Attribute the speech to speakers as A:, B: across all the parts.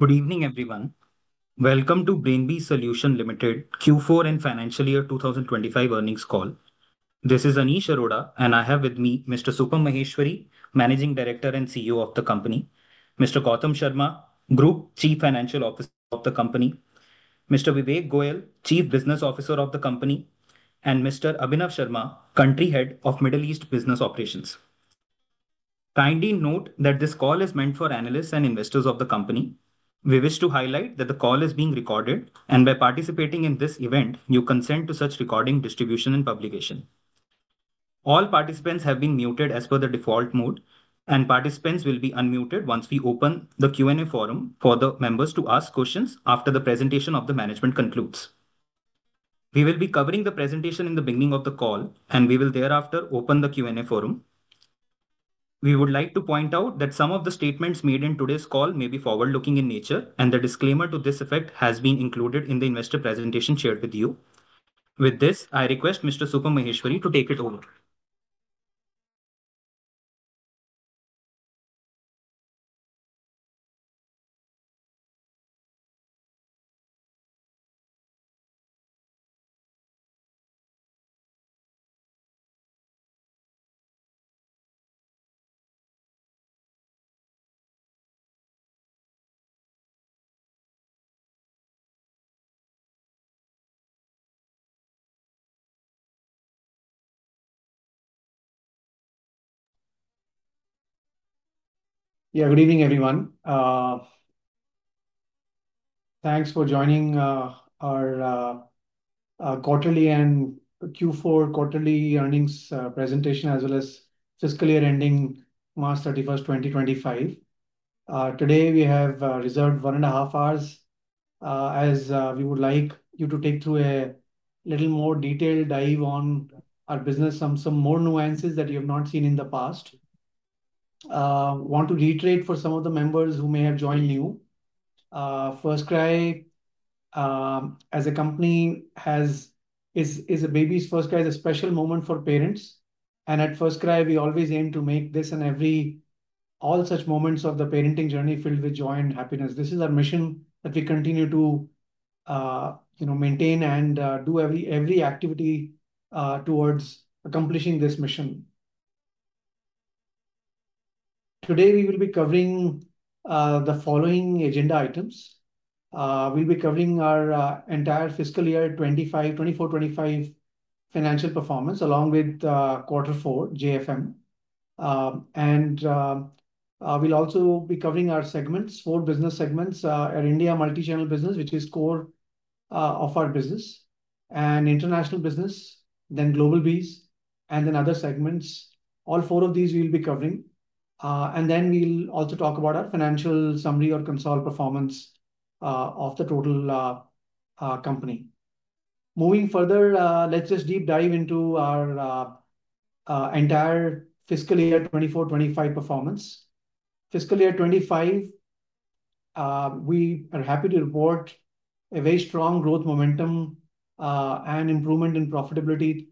A: Good evening, everyone. Welcome to Brainbees Solutions Limited Q4 and Financial Year 2025 earnings call. This is Anish Arora, and I have with me Mr. Supam Maheshwari, Managing Director and CEO of the company, Mr. Gautam Sharma, Group Chief Financial Officer of the company, Mr. Vivek Goel, Chief Business Officer of the company, and Mr. Abhinav Sharma, Country Head of Middle East Business Operations. Kindly note that this call is meant for analysts and investors of the company. We wish to highlight that the call is being recorded, and by participating in this event, you consent to such recording, distribution, and publication. All participants have been muted as per the default mode, and participants will be unmuted once we open the Q&A forum for the members to ask questions after the presentation of the management concludes. We will be covering the presentation in the beginning of the call, and we will thereafter open the Q&A forum. We would like to point out that some of the statements made in today's call may be forward-looking in nature, and the disclaimer to this effect has been included in the investor presentation shared with you. With this, I request Mr. Supam Maheshwari to take it over.
B: Yeah, good evening, everyone. Thanks for joining our quarterly and Q4 quarterly earnings presentation, as well as fiscal year ending March 31st, 2025. Today, we have reserved one and a half hours as we would like you to take through a little more detailed dive on our business, some more nuances that you have not seen in the past. I want to reiterate for some of the members who may have joined new. FirstCry, as a company, is a baby's first cry, is a special moment for parents. And at FirstCry, we always aim to make this and all such moments of the parenting journey filled with joy and happiness. This is our mission that we continue to maintain and do every activity towards accomplishing this mission. Today, we will be covering the following agenda items. We'll be covering our entire fiscal year 2024-2025 financial performance along with Quarter Four, JFM. We'll also be covering our segments, four business segments: India Multichannel Business, which is core of our business, and International Business, then Globalbees, and then other segments. All four of these we'll be covering. We'll also talk about our financial summary or consult performance of the total company. Moving further, let's just deep dive into our entire fiscal year 2024-2025 performance. Fiscal year 2025, we are happy to report a very strong growth momentum and improvement in profitability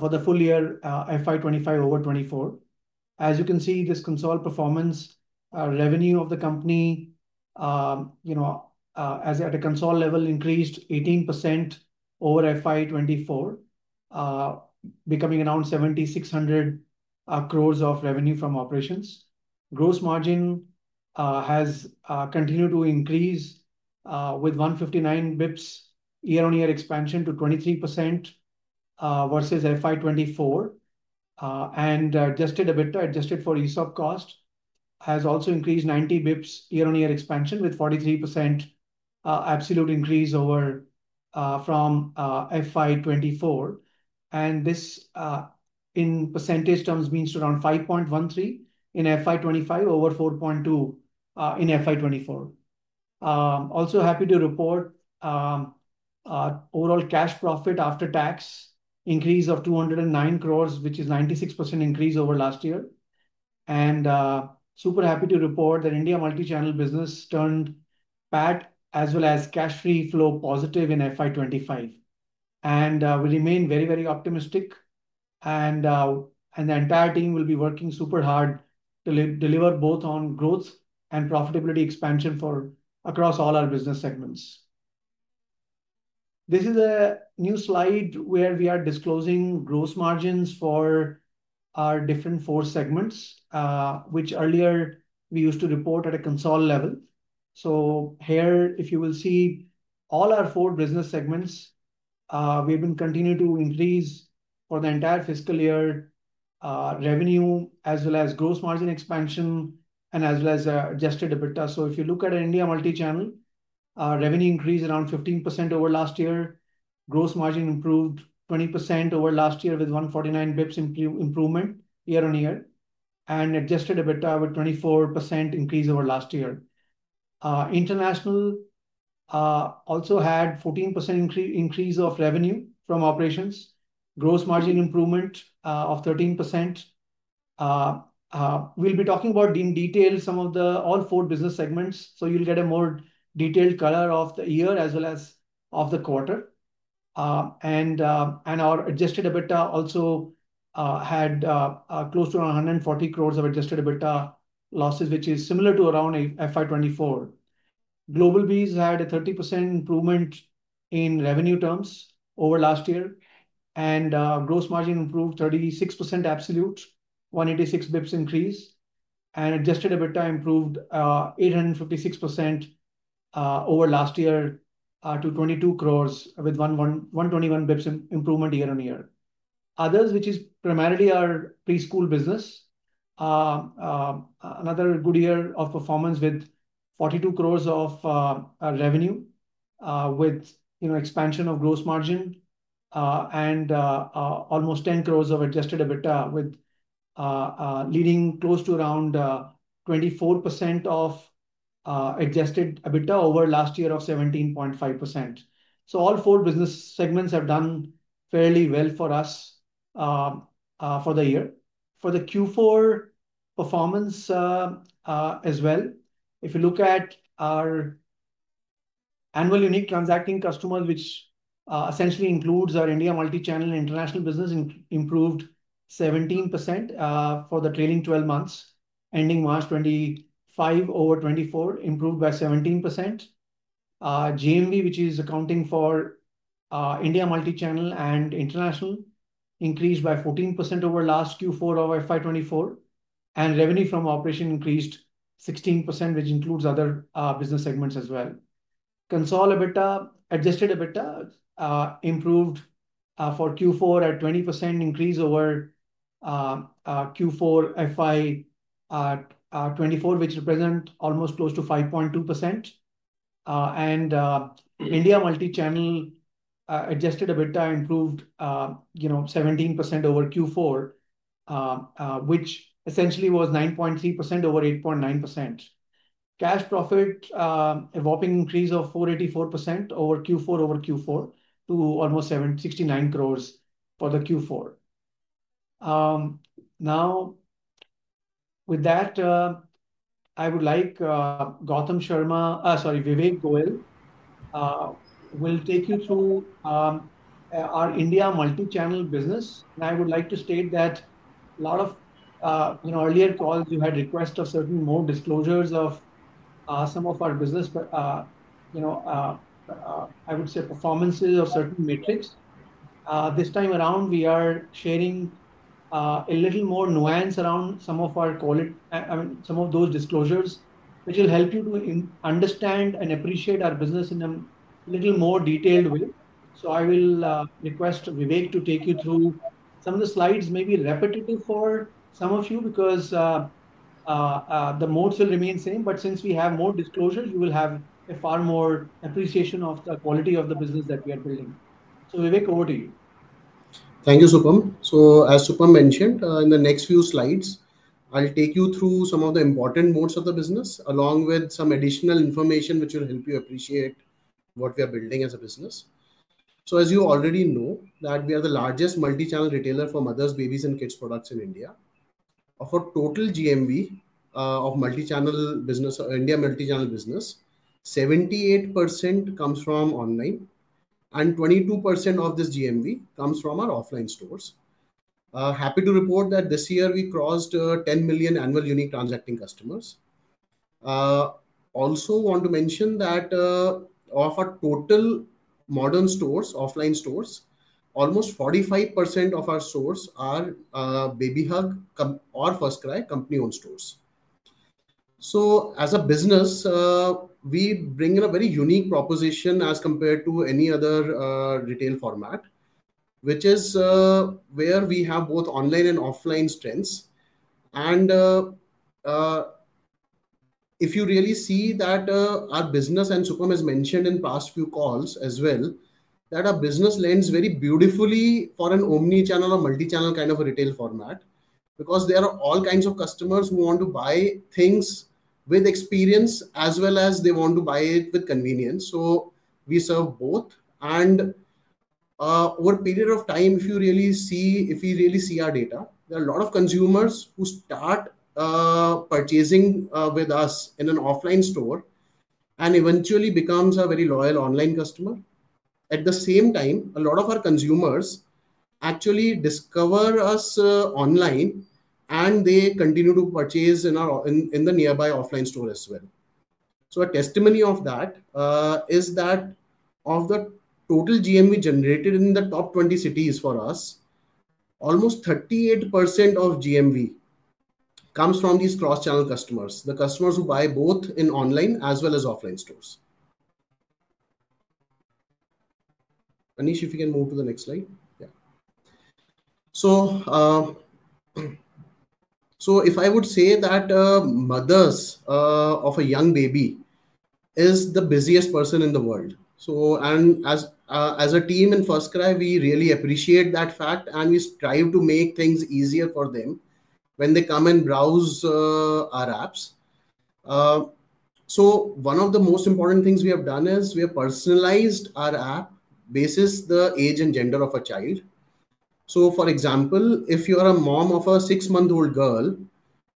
B: for the full year, FY2025 over 2024. As you can see, this consult performance, revenue of the company at a consult level increased 18% over FY2024, becoming around 7,600 crore of revenue from operations. Gross margin has continued to increase with 159 bps, year-on-year expansion to 23% versus FY 2024, and adjusted for ESOP cost has also increased 90 bps, year-on-year expansion with 43% absolute increase from FY 2024. This in percentage terms means around 5.13 in FY 2025 over 4.2 in FY 2024. Also happy to report overall cash profit after tax increase of 2.09 billion, which is 96% increase over last year. Super happy to report that India Multichannel Business turned PAT as well as cash free flow positive in FY 2025. We remain very, very optimistic, and the entire team will be working super hard to deliver both on growth and profitability expansion across all our business segments. This is a new slide where we are disclosing gross margins for our different four segments, which earlier we used to report at a consult level. If you will see all our four business segments, we have been continuing to increase for the entire fiscal year revenue as well as gross margin expansion and as well as adjusted EBITDA. If you look at India Multichannel, revenue increased around 15% over last year. Gross margin improved 20% over last year with 149 bps improvement year-on-year and adjusted EBITDA with 24% increase over last year. International also had 14% increase of revenue from operations, gross margin improvement of 13%. We will be talking about in detail some of the all four business segments, so you will get a more detailed color of the year as well as of the quarter. Our adjusted EBITDA also had close to 1.4 billion of adjusted EBITDA losses, which is similar to around FY2024. Globalbees had a 30% improvement in revenue terms over last year, and gross margin improved 36% absolute, 186 bps increase, and adjusted EBITDA improved 856% over last year to 220,000,000 crores with 121 basis points improvement year-on-year. Others, which is primarily our preschool business, another good year of performance with 420,000,000 crores of revenue with expansion of gross margin and almost 100,000,000 of adjusted EBITDA, leading close to around 24% of adjusted EBITDA over last year of 17.5%. All four business segments have done fairly well for us for the year. For the Q4 performance as well, if you look at our annual unique transacting customers, which essentially includes our India Multichannel and International Business, improved 17% for the trailing 12 months ending March 2025 over 2024, improved by 17%. GVM, which is accounting for India Multichannel and International, increased by 14% over last Q4 of FY2024, and revenue from operation increased 16%, which includes other business segments as well. Consol EBITDA, adjusted EBITDA improved for Q4 at 20% increase over Q4 FY2024, which represents almost close to 5.2%. India Multichannel adjusted EBITDA improved 17% over Q4, which essentially was 9.3% over 8.9%. Cash profit evolving increase of 484% over Q4 over Q4 to almost 69 crore for the Q4. Now, with that, I would like Gautam Sharma, sorry, Vivek Goel, will take you through our India Multichannel Business. I would like to state that a lot of earlier calls, you had requests of certain more disclosures of some of our business, I would say performances of certain metrics. This time around, we are sharing a little more nuance around some of our, I mean, some of those disclosures, which will help you to understand and appreciate our business in a little more detailed way. I will request Vivek to take you through some of the slides, maybe repetitive for some of you because the modes will remain same. Since we have more disclosures, you will have a far more appreciation of the quality of the business that we are building. Vivek, over to you.
C: Thank you, Supam. As Supam mentioned, in the next few slides, I'll take you through some of the important modes of the business along with some additional information which will help you appreciate what we are building as a business. As you already know, we are the largest multichannel retailer for Mothers', Babies', and Kids' products in India. Of our total GMV of multichannel business, India Multichannel Business, 78% comes from online and 22% of this GMV comes from our offline stores. Happy to report that this year we crossed 10 million annual unique transacting customers. Also want to mention that of our total modern stores, offline stores, almost 45% of our stores are BabyHug or FirstCry company-owned stores. As a business, we bring in a very unique proposition as compared to any other retail format, which is where we have both online and offline strengths. If you really see that our business, and Supam has mentioned in past few calls as well, that our business lends very beautifully for an omnichannel or multichannel kind of retail format because there are all kinds of customers who want to buy things with experience as well as they want to buy it with convenience. We serve both. Over a period of time, if you really see our data, there are a lot of consumers who start purchasing with us in an offline store and eventually become a very loyal online customer. At the same time, a lot of our consumers actually discover us online and they continue to purchase in the nearby offline store as well. A testimony of that is that of the total GMV generated in the top 20 cities for us, almost 38% of GMV comes from these cross-channel customers, the customers who buy both in online as well as offline stores. Anish, if you can move to the next slide. Yeah. If I would say that mothers of a young baby is the busiest person in the world. As a team in FirstCry, we really appreciate that fact and we strive to make things easier for them when they come and browse our apps. One of the most important things we have done is we have personalized our app based on the age and gender of a child. For example, if you are a mom of a six-month-old girl,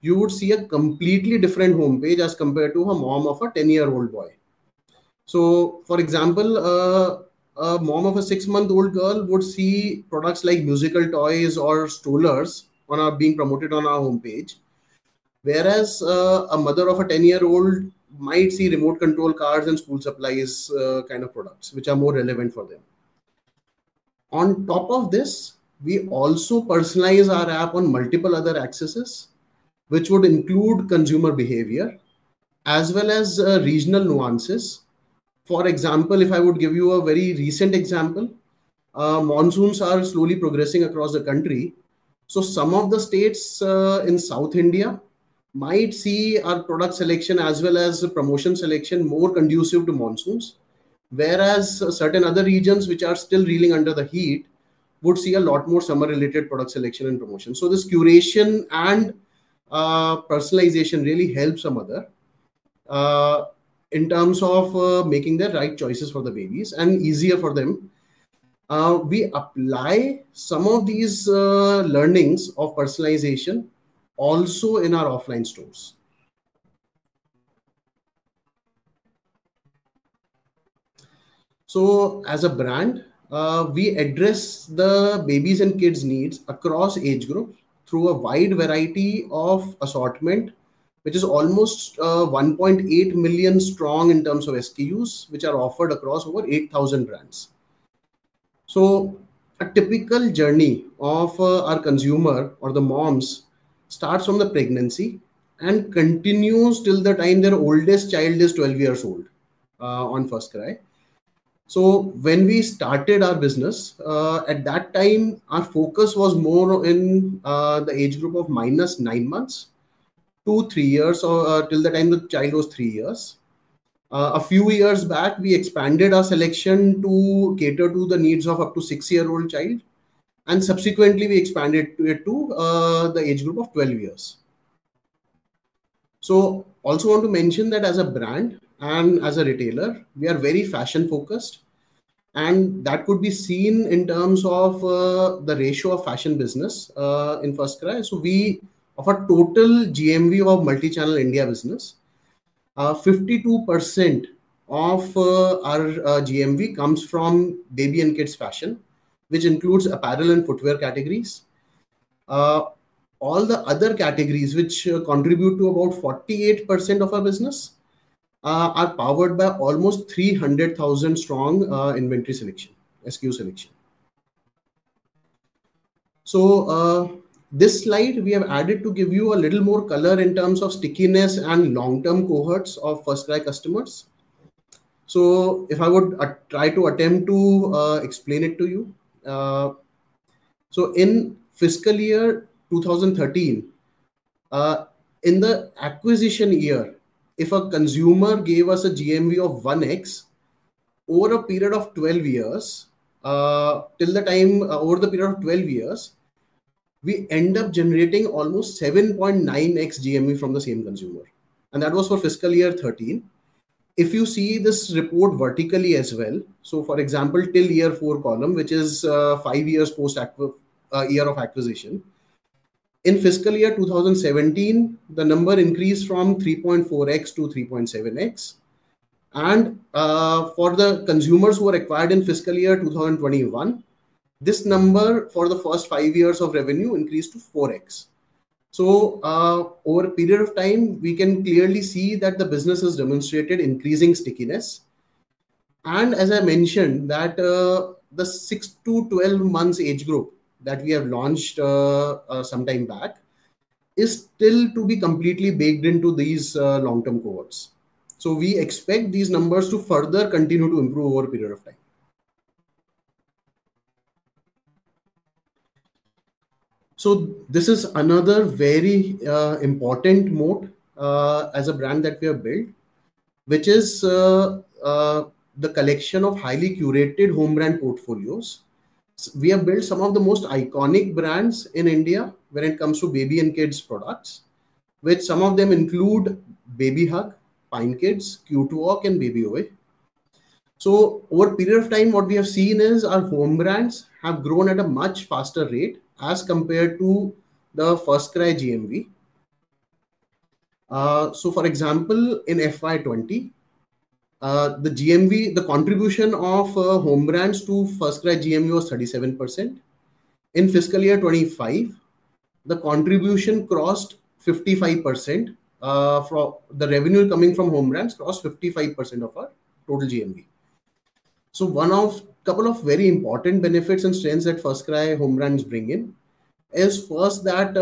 C: you would see a completely different homepage as compared to a mom of a 10-year-old boy. For example, a mom of a six-month-old girl would see products like musical toys or strollers being promoted on our homepage, whereas a mother of a 10-year-old might see remote control cars and school supplies kind of products, which are more relevant for them. On top of this, we also personalize our app on multiple other axes, which would include consumer behavior as well as regional nuances. For example, if I would give you a very recent example, monsoons are slowly progressing across the country. Some of the states in South India might see our product selection as well as promotion selection more conducive to monsoons, whereas certain other regions, which are still reeling under the heat, would see a lot more summer-related product selection and promotion. This curation and personalization really helps a mother in terms of making the right choices for the babies and easier for them. We apply some of these learnings of personalization also in our offline stores. As a brand, we address the Babies' and Kids' needs across age groups through a wide variety of assortment, which is almost 1.8 million strong in terms of SKUs, which are offered across over 8,000 brands. A typical journey of our consumer or the moms starts from the pregnancy and continues till the time their oldest child is 12 years old on FirstCry. When we started our business, at that time, our focus was more in the age group of -9 months to three years, till the time the child was three years. A few years back, we expanded our selection to cater to the needs of up to six-year-old child, and subsequently, we expanded it to the age group of 12 years. I also want to mention that as a brand and as a retailer, we are very fashion-focused, and that could be seen in terms of the ratio of fashion business in FirstCry. We offer total GMV of multichannel India business. 52% of our GMV comes from baby and kids fashion, which includes apparel and footwear categories. All the other categories, which contribute to about 48% of our business, are powered by almost 300,000 strong inventory selection, SKU selection. This slide, we have added to give you a little more color in terms of stickiness and long-term cohorts of FirstCry customers. If I would try to attempt to explain it to you, in fiscal year 2013, in the acquisition year, if a consumer gave us a GMV of 1X over a period of 12 years, till the time over the period of 12 years, we end up generating almost 7.9X GMV from the same consumer. That was for fiscal year 2013. If you see this report vertically as well, for example, till year four column, which is five years post year of acquisition, in fiscal year 2017, the number increased from 3.4X to 3.7X. For the consumers who are acquired in fiscal year 2021, this number for the first five years of revenue increased to 4X. Over a period of time, we can clearly see that the business has demonstrated increasing stickiness. As I mentioned, the 6-12 months age group that we have launched sometime back is still to be completely baked into these long-term cohorts. We expect these numbers to further continue to improve over a period of time. This is another very important moat as a brand that we have built, which is the collection of highly curated home brand portfolios. We have built some of the most iconic brands in India when it comes to baby and kids products, which some of them include BabyHug, PineKids, Cute Walk, and Babyoye. Over a period of time, what we have seen is our home brands have grown at a much faster rate as compared to the FirstCry GMV. So for example, in FY 2020, the GMV, the contribution of home brands to FirstCry GMV was 37%. In fiscal year 2025, the contribution crossed 55%. The revenue coming from home brands crossed 55% of our total GMV. One of a couple of very important benefits and strengths that FirstCry home brands bring in is first that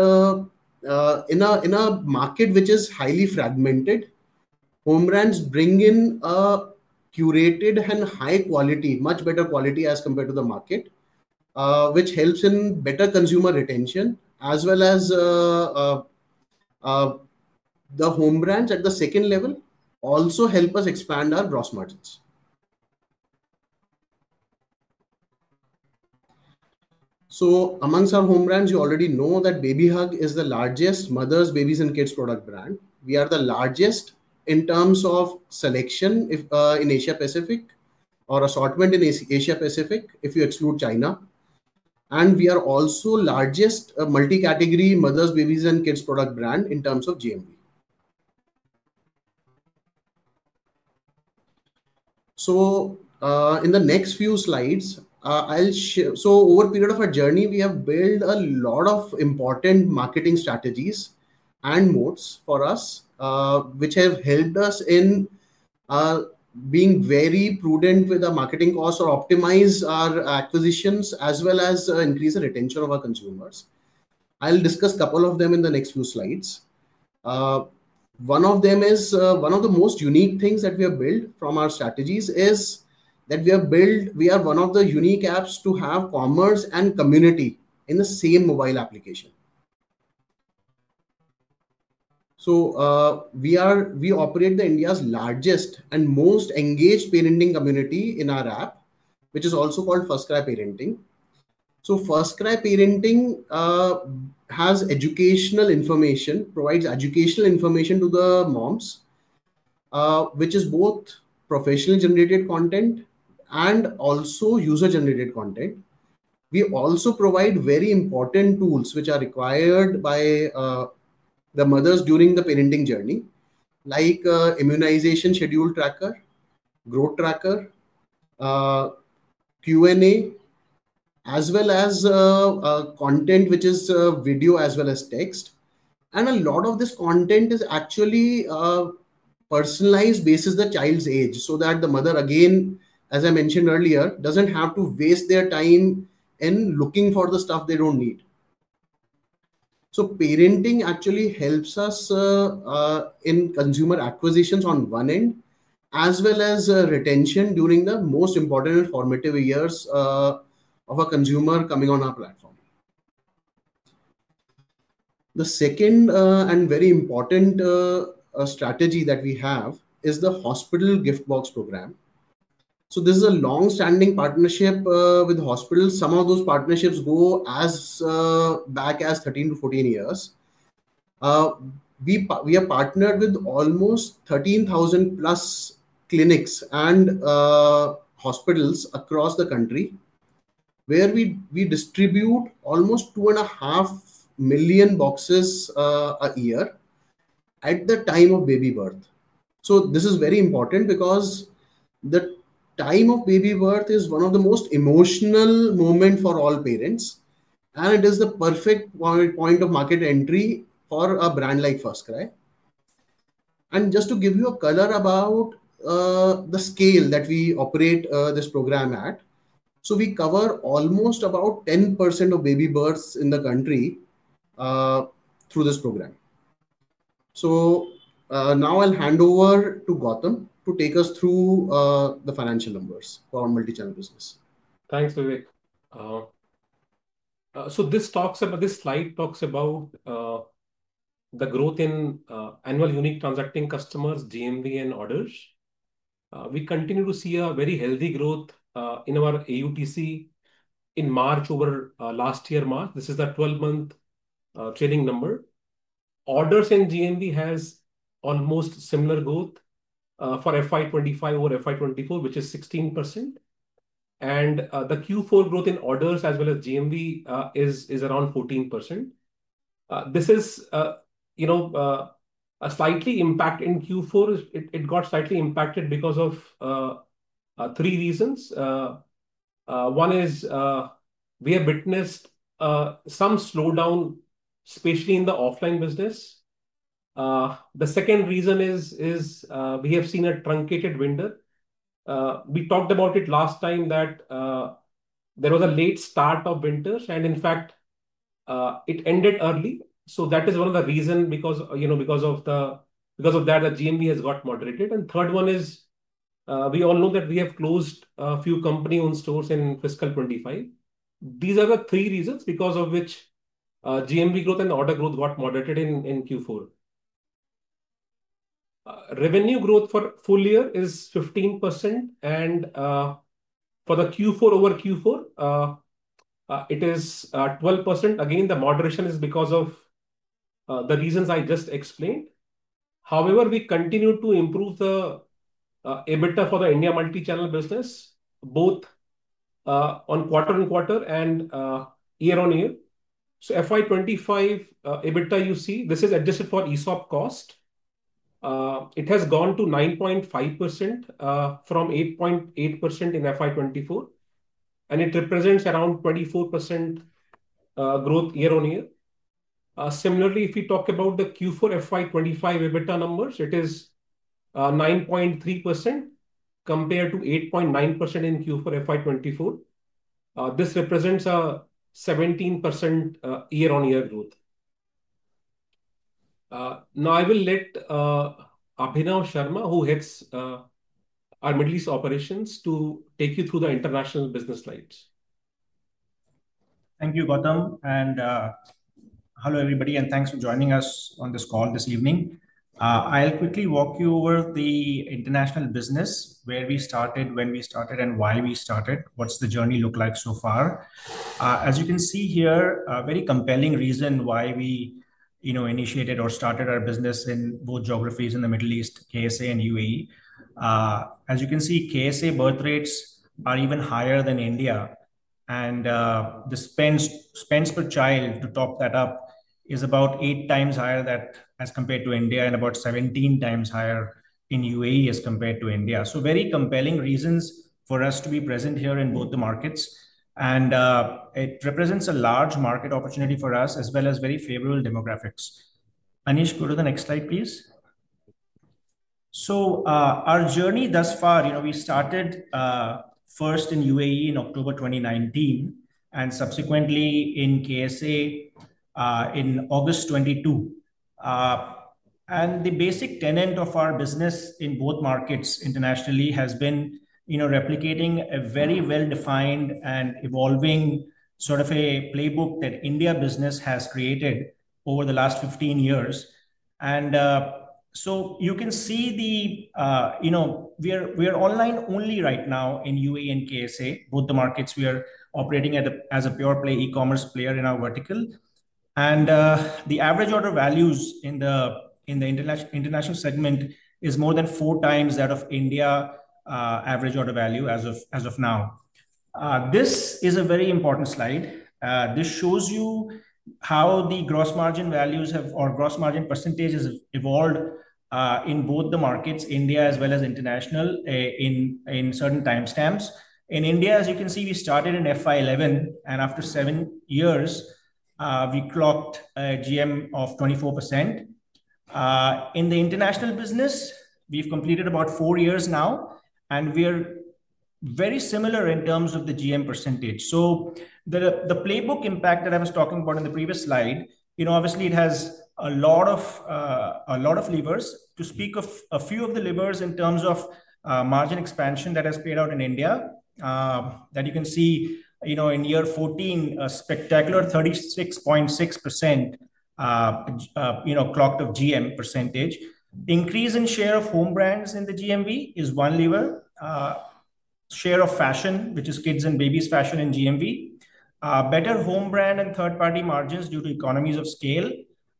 C: in a market which is highly fragmented, home brands bring in curated and high quality, much better quality as compared to the market, which helps in better consumer retention as well as the home brands at the second level also help us expand our gross margins. Amongst our home brands, you already know that BabyHug is the largest Mothers', Babies', and Kids' product brand. We are the largest in terms of selection in Asia Pacific or assortment in Asia Pacific if you exclude China. We are also the largest multi-category Mothers', Babies', and Kids' product brand in terms of GMV. In the next few slides, I'll show over a period of our journey, we have built a lot of important marketing strategies and moats for us, which have helped us in being very prudent with our marketing costs or optimize our acquisitions as well as increase the retention of our consumers. I'll discuss a couple of them in the next few slides. One of the most unique things that we have built from our strategies is that we are one of the unique apps to have commerce and community in the same mobile application. We operate India's largest and most engaged parenting community in our app, which is also called FirstCry Parenting. FirstCry Parenting has educational information, provides educational information to the moms, which is both professionally generated content and also user-generated content. We also provide very important tools which are required by the mothers during the parenting journey, like immunization schedule tracker, growth tracker, Q&A, as well as content which is video as well as text. A lot of this content is actually personalized based on the child's age so that the mother, again, as I mentioned earlier, does not have to waste their time in looking for the stuff they do not need. Parenting actually helps us in consumer acquisitions on one end as well as retention during the most important formative years of a consumer coming on our platform. The second and very important strategy that we have is the hospital gift box program. This is a long-standing partnership with hospitals. Some of those partnerships go as back as 13 to 14 years. We are partnered with almost 13,000+ clinics and hospitals across the country where we distribute almost 2.5 million boxes a year at the time of baby birth. This is very important because the time of baby birth is one of the most emotional moments for all parents, and it is the perfect point of market entry for a brand like FirstCry. Just to give you a color about the scale that we operate this program at, we cover almost about 10% of baby births in the country through this program. Now I'll hand over to Gautam to take us through the financial numbers for our multichannel business.
D: Thanks, Vivek. This slide talks about the growth in annual unique transacting customers, GMV, and orders. We continue to see a very healthy growth in our AUTC in March over last year, March. This is the 12-month trailing number. Orders and GMV has almost similar growth for FY 2025 over FY 2024, which is 16%. The Q4 growth in orders as well as GMV is around 14%. This is a slight impact in Q4. It got slightly impacted because of three reasons. One is we have witnessed some slowdown, especially in the offline business. The second reason is we have seen a truncated winter. We talked about it last time that there was a late start of winter, and in fact, it ended early. That is one of the reasons because of that, the GMV has got moderated. The third one is we all know that we have closed a few company-owned stores in fiscal 2025. These are the three reasons because of which GMV growth and order growth got moderated in Q4. Revenue growth for full year is 15%, and for the Q4 over Q4, it is 12%. Again, the moderation is because of the reasons I just explained. However, we continue to improve the EBITDA for the India Multichannel Business, both on quarter-on-quarter and year-on-year. FY25 EBITDA, you see, this is adjusted for ESOP cost. It has gone to 9.5% from 8.8% in FY24, and it represents around 24% growth year-on-year. Similarly, if we talk about the Q4 FY25 EBITDA numbers, it is 9.3% compared to 8.9% in Q4 FY24. This represents a 17% year-on-year growth. Now, I will let Abhinav Sharma, who heads our Middle East operations, take you through the International Business slides.
E: Thank you, Gautam. Hello, everybody, and thanks for joining us on this call this evening. I'll quickly walk you over the International Business, where we started, when we started, and why we started, what's the journey looked like so far. As you can see here, a very compelling reason why we initiated or started our business in both geographies in the Middle East, KSA and UAE. As you can see, KSA birth rates are even higher than India. The spend per child, to top that up, is about 8x higher as compared to India and about 17x higher in UAE as compared to India. Very compelling reasons for us to be present here in both the markets. It represents a large market opportunity for us as well as very favorable demographics. Anish, go to the next slide, please. Our journey thus far, we started first in UAE in October 2019 and subsequently in KSA in August 2022. The basic tenet of our business in both markets internationally has been replicating a very well-defined and evolving sort of a playbook that India business has created over the last 15 years. You can see we are online only right now in UAE and KSA, both the markets we are operating as a pure play e-commerce player in our vertical. The average order values in the International segment is more than 4x that of India average order value as of now. This is a very important slide. This shows you how the gross margin values or gross margin percentages have evolved in both the markets, India as well as international, in certain timestamps. In India, as you can see, we started in FY2011, and after seven years, we clocked a GM of 24%. In the international Business, we've completed about four years now, and we are very similar in terms of the GM percentage. The playbook impact that I was talking about in the previous slide, obviously, it has a lot of levers. To speak of a few of the levers in terms of margin expansion that has played out in India, you can see in year 2014, a spectacular 36.6% clocked of GM percentage. Increase in share of home brands in the GMV is one lever. Share of fashion, which is kids and babies fashion in GMV. Better home brand and third-party margins due to economies of scale.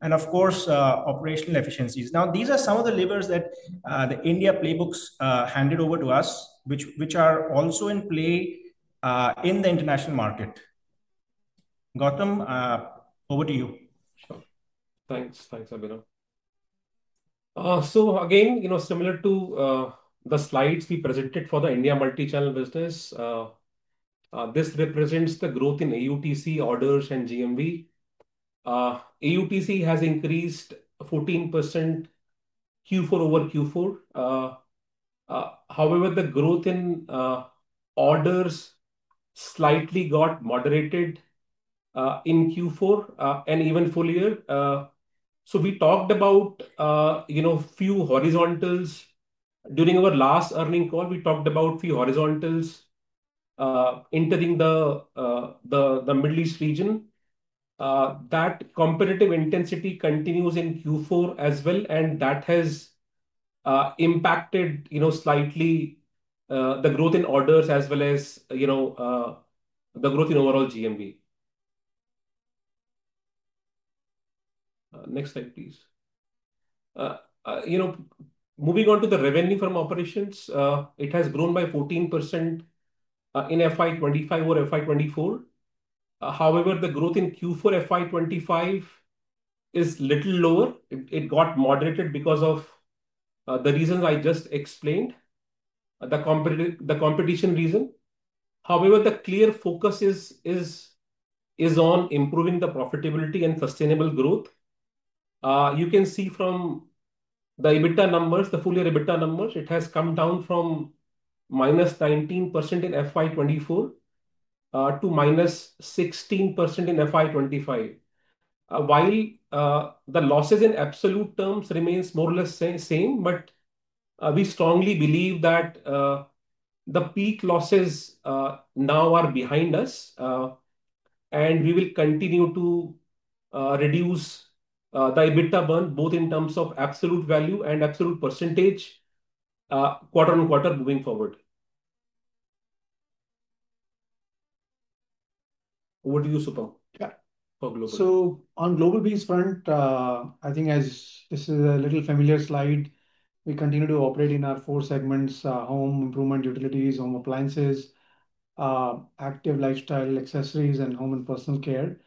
E: Of course, operational efficiencies. Now, these are some of the levers that the India playbook has handed over to us, which are also in play in the international market. Gautam, over to you. Thanks. Thanks, Abhinav. Again, similar to the slides we presented for the India multi-channel business, this represents the growth in AUTC, orders, and GMV. AUTC has increased 14% Q4-over-Q4. However, the growth in orders slightly got moderated in Q4 and even full year. We talked about a few horizontals. During our last earnings call, we talked about a few horizontals entering the Middle East region. That competitive intensity continues in Q4 as well, and that has impacted slightly the growth in orders as well as the growth in overall GMV. Next slide, please. Moving on to the revenue from operations, it has grown by 14% in FY 2025 over FY 2024. However, the growth in Q4 FY25 is a little lower. It got moderated because of the reasons I just explained, the competition reason. However, the clear focus is on improving the profitability and sustainable growth. You can see from the EBITDA numbers, the full year EBITDA numbers, it has come down from -19% in FY24 to -16% in FY25. While the losses in absolute terms remain more or less the same, but we strongly believe that the peak losses now are behind us, and we will continue to reduce the EBITDA burn, both in terms of absolute value and absolute percentage quarter-on-quarter moving forward. Over to you, Supam.
B: Yeah. For Global. So on Globalbees front, I think this is a little familiar slide. We continue to operate in our four segments: home, improvement, utilities, home appliances, active lifestyle accessories, and home and personal care.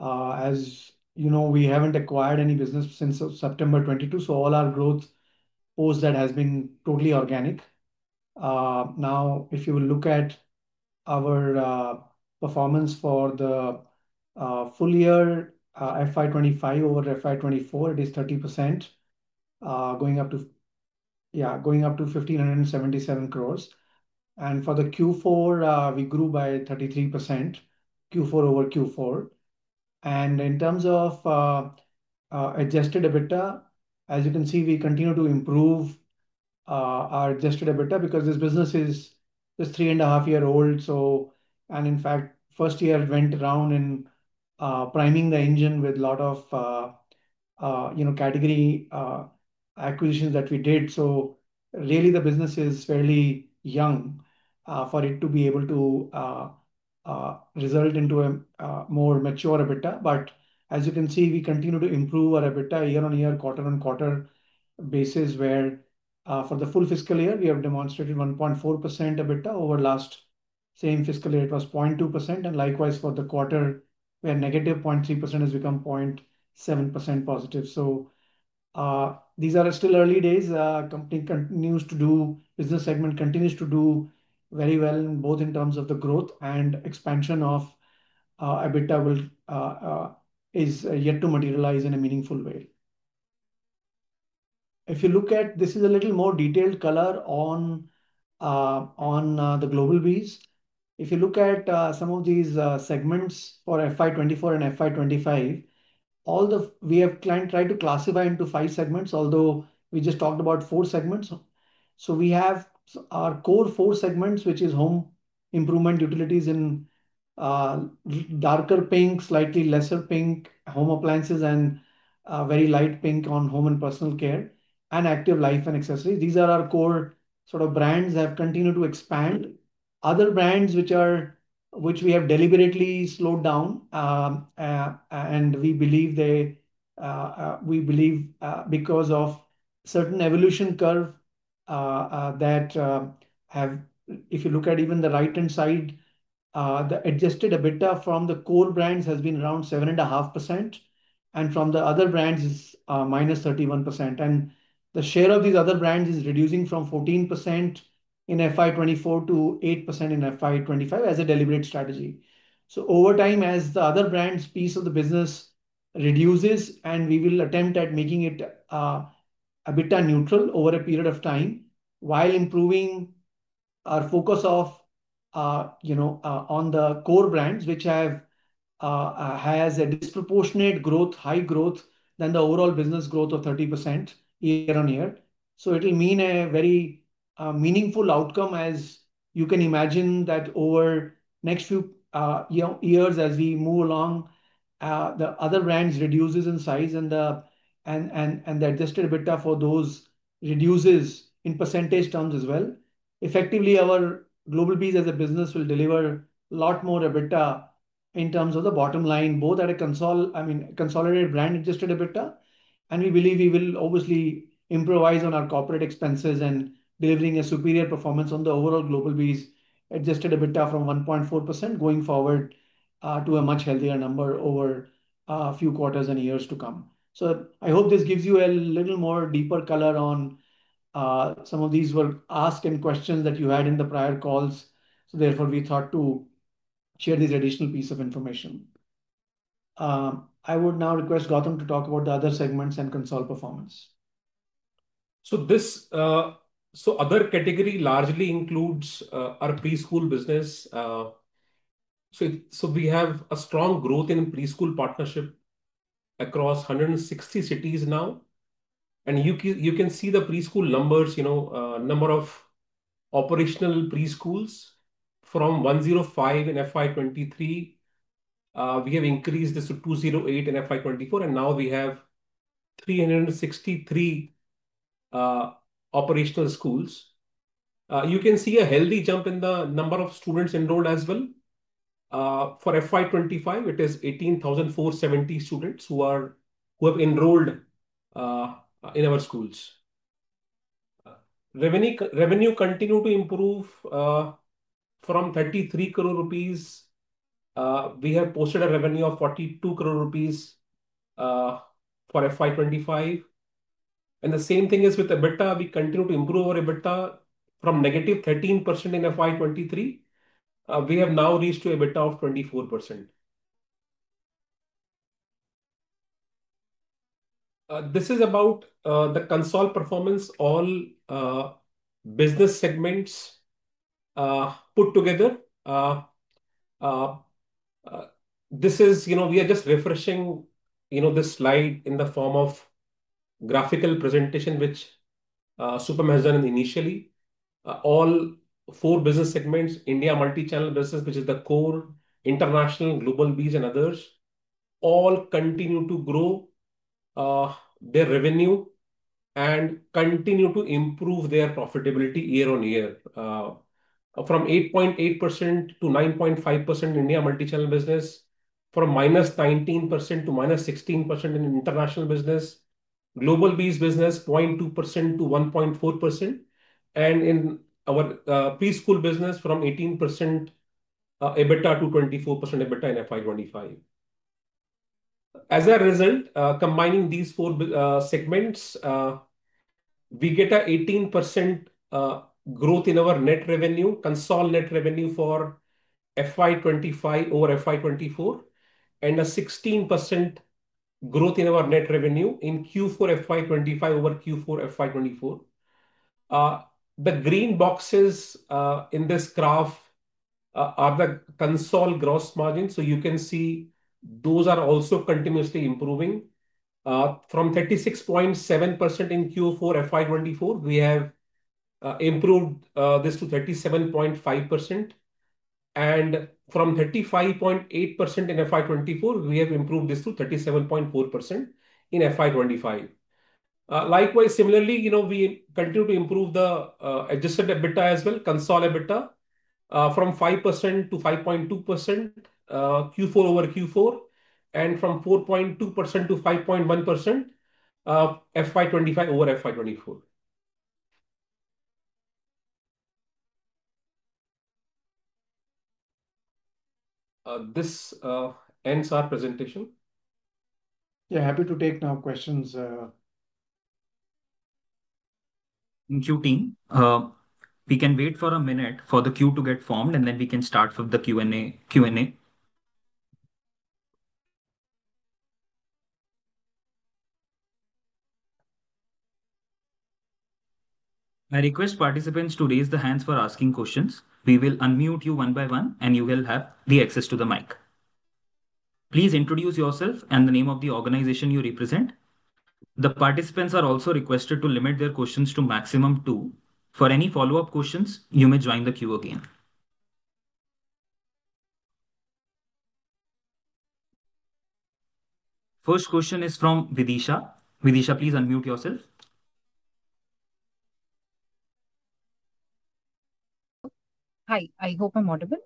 B: As you know, we haven't acquired any business since September 2022, so all our growth post that has been totally organic. Now, if you will look at our performance for the full year FY2025 over FY2024, it is 30%, going up to 1,577 crore. For the Q4, we grew by 33%, Q4-over-Q4. In terms of adjusted EBITDA, as you can see, we continue to improve our adjusted EBITDA because this business is three and a half years old. In fact, first year went around in priming the engine with a lot of category acquisitions that we did. Really, the business is fairly young for it to be able to result into a more mature EBITDA. As you can see, we continue to improve our EBITDA year-on-year, quarter-on-quarter basis, where for the full fiscal year, we have demonstrated 1.4% EBITDA over last same fiscal year. It was 0.2%. Likewise, for the quarter, where -0.3% has become 0.7%+. These are still early days. The company continues to do business segment continues to do very well, both in terms of the growth and expansion of EBITDA is yet to materialize in a meaningful way. If you look at this, this is a little more detailed color on the Globalbees. If you look at some of these segments for FY2024 and FY2025, we have tried to classify into five segments, although we just talked about four segments. We have our core four segments, which is home improvement, utilities, and darker pink, slightly lesser pink, home appliances, and very light pink on home and personal care, and active life and accessories. These are our core sort of brands that have continued to expand. Other brands, which we have deliberately slowed down, and we believe because of certain evolution curve that have, if you look at even the right-hand side, the adjusted EBITDA from the core brands has been around 7.5%, and from the other brands, it's -31%. The share of these other brands is reducing from 14% in FY2024 to 8% in FY2025 as a deliberate strategy. Over time, as the other brands' piece of the business reduces, we will attempt at making it EBITDA neutral over a period of time while improving our focus on the core brands, which have a disproportionate growth, high growth, than the overall business growth of 30% year-on-year. It will mean a very meaningful outcome, as you can imagine, that over the next few years as we move along, the other brands reduce in size, and the adjusted EBITDA for those reduces in percentage terms as well. Effectively, our Globalbees as a business will deliver a lot more EBITDA in terms of the bottom line, both at a consolidated brand adjusted EBITDA. We believe we will obviously improvise on our corporate expenses and delivering a superior performance on the overall Globalbees adjusted EBITDA from 1.4% going forward to a much healthier number over a few quarters and years to come. I hope this gives you a little more deeper color on some of these were asked and questions that you had in the prior calls. Therefore, we thought to share this additional piece of information. I would now request Gautam to talk about the other segments and consol performance.
D: Other category largely includes our Preschool business. We have a strong growth in preschool partnership across 160 cities now. You can see the preschool numbers, number of operational preschools from 105 in FY2023. We have increased this to 208 in FY2024, and now we have 363 operational schools. You can see a healthy jump in the number of students enrolled as well. For FY 2025, it is 18,470 students who have enrolled in our schools. Revenue continued to improve from 33 crore rupees. We have posted a revenue of 42 crore rupees for FY 2025. The same thing is with EBITDA. We continue to improve our EBITDA from -13% in FY 2023. We have now reached to EBITDA of 24%. This is about the consult performance, all business segments put together. This is we are just refreshing this slide in the form of graphical presentation, which Supam has done initially. All four business segments, India Multichannel Business, which is the core, International, Globalbees, and others, all continue to grow their revenue and continue to improve their profitability year-on-year. From 8.8% to 9.5%, India Multichannel business from -19% to -16% in International Business. Globalbees business, 0.02% to 1.4%. In our Preschool business, from 18% EBITDA to 24% EBITDA in FY 2025. As a result, combining these four segments, we get an 18% growth in our net revenue, consult net revenue for FY 2025 over FY 2024, and a 16% growth in our net revenue in Q4 FY 2025 over Q4 FY 2024. The green boxes in this graph are the consult gross margins. You can see those are also continuously improving. From 36.7% in Q4 FY 2024, we have improved this to 37.5%. From 35.8% in FY 2024, we have improved this to 37.4% in FY 2025. Likewise, similarly, we continue to improve the adjusted EBITDA as well, consult EBITDA, from 5% to 5.2% Q4-over-Q4, and from 4.2% to 5.1% FY 2025 over FY 2024. This ends our presentation.
B: Yeah, happy to take now questions.
A: Thank you, team. We can wait for a minute for the queue to get formed, and then we can start with the Q&A. I request participants to raise the hands for asking questions. We will unmute you one by one, and you will have the access to the mic. Please introduce yourself and the name of the organization you represent. The participants are also requested to limit their questions to maximum two. For any follow-up questions, you may join the queue again. First question is from Videesha. Videesha, please unmute yourself.
F: Hi. I hope I'm audible.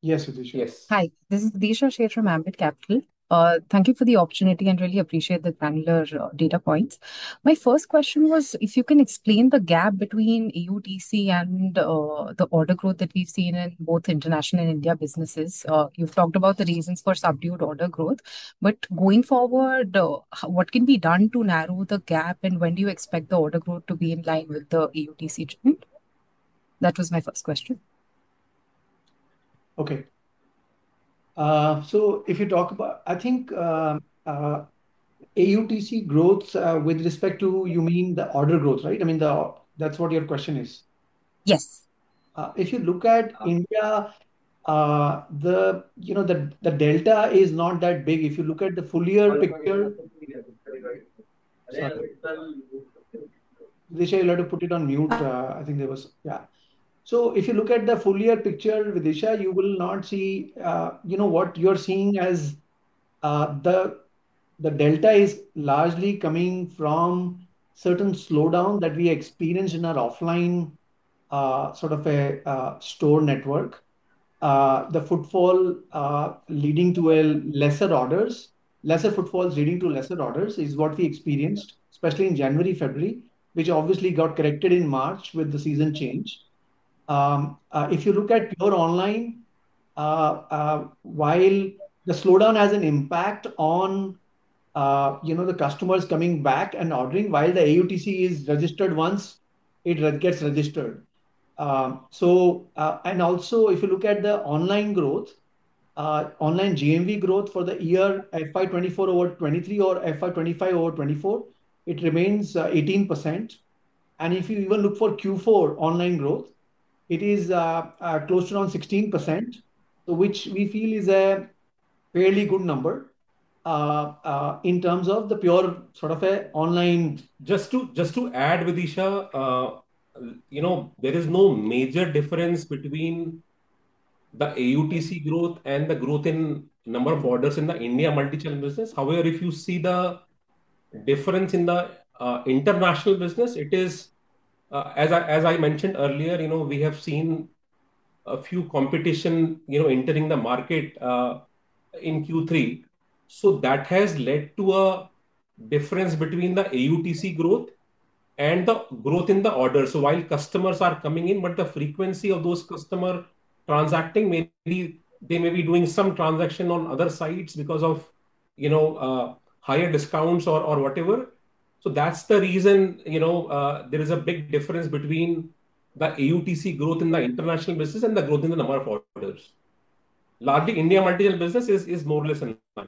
B: Yes, Videesha.
A: Yes.
F: Hi. This is Videesha Sheth from Ambit Capital. Thank you for the opportunity and really appreciate the granular data points. My first question was, if you can explain the gap between AUTC and the order growth that we've seen in both international and India businesses. You've talked about the reasons for subdued order growth. But going forward, what can be done to narrow the gap, and when do you expect the order growth to be in line with the AUTC trend? That was my first question.
B: Okay. If you talk about, I think AUTC growth with respect to, you mean the order growth, right? I mean, that's what your question is.
F: Yes.
B: If you look at India, the delta is not that big. If you look at the full year picture. Sorry. Videesha, you've got to put it on mute. I think there was, yeah. If you look at the full year picture, Videesha, you will not see what you're seeing as the delta is largely coming from certain slowdown that we experienced in our offline sort of store network. The footfall leading to lesser orders, lesser footfalls leading to lesser orders is what we experienced, especially in January, February, which obviously got corrected in March with the season change. If you look at your online, while the slowdown has an impact on the customers coming back and ordering, while the AUTC is registered once, it gets registered. Also, if you look at the online growth, online GMV growth for the year FY2024 over 2023 or FY2025 over 2024, it remains 18%. If you even look for Q4 online growth, it is close to around 16%, which we feel is a fairly good number in terms of the pure sort of online.
D: Just to add, Videesha, there is no major difference between the AUTC growth and the growth in number of orders in the India Multichannel Business. However, if you see the difference in the International Business, it is, as I mentioned earlier, we have seen a few competition entering the market in Q3. That has led to a difference between the AUTC growth and the growth in the orders. While customers are coming in, the frequency of those customers transacting, they may be doing some transaction on other sites because of higher discounts or whatever. That is the reason there is a big difference between the AUTC growth in the International Business and the growth in the number of orders. Largely, India Multichannel Business is more or less in line.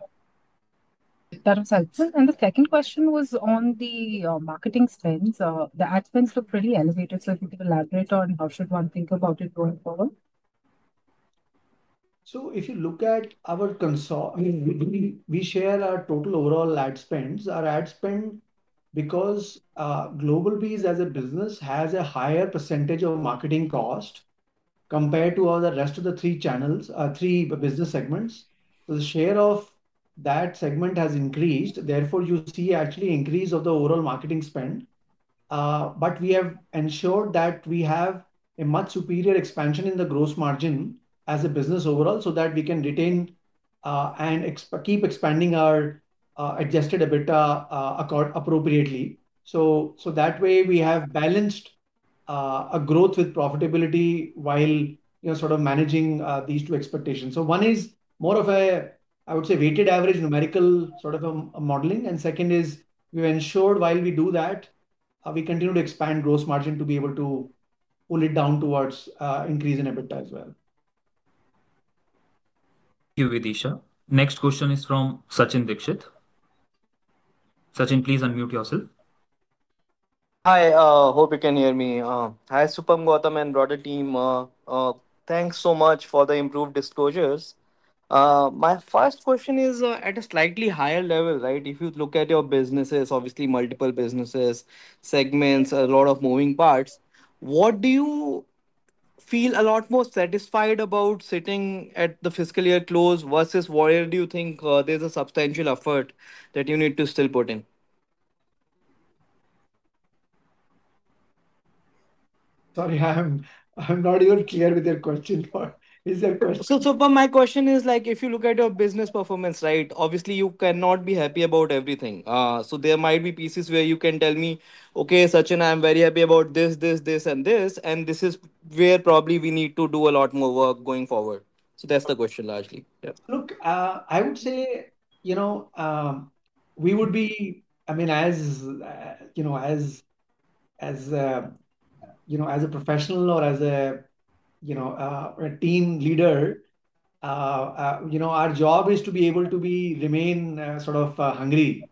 F: Terms helpful. The second question was on the marketing spends. The ad spends look pretty elevated. If you could elaborate on how should one think about it going forward?
B: If you look at our consol, we share our total overall ad spends. Our ad spend, because Globalbees as a business has a higher percentage of marketing cost compared to the rest of the three business segments. The share of that segment has increased. Therefore, you see actually increase of the overall marketing spend. We have ensured that we have a much superior expansion in the gross margin as a business overall so that we can retain and keep expanding our adjusted EBITDA appropriately. That way, we have balanced growth with profitability while sort of managing these two expectations. One is more of a, I would say, weighted average numerical sort of modeling. Second is we've ensured while we do that, we continue to expand gross margin to be able to pull it down towards increase in EBITDA as well.
A: Thank you, Videesha. Next question is from Sachin Dixit. Sachin, please unmute yourself.
G: Hi. Hope you can hear me. Hi, Supam, Gautam, and broader team. Thanks so much for the improved disclosures. My first question is at a slightly higher level, right? If you look at your businesses, obviously multiple businesses, segments, a lot of moving parts, what do you feel a lot more satisfied about sitting at the fiscal year close versus where do you think there's a substantial effort that you need to still put in?
B: Sorry, I'm not even clear with your question. Is there a question?
G: My question is, if you look at your business performance, right, obviously you cannot be happy about everything. There might be pieces where you can tell me, "Okay, Sachin, I'm very happy about this, this, this, and this." This is where probably we need to do a lot more work going forward. That's the question largely. Yeah.
B: Look, I would say we would be, I mean, as a professional or as a team leader, our job is to be able to remain sort of hungry.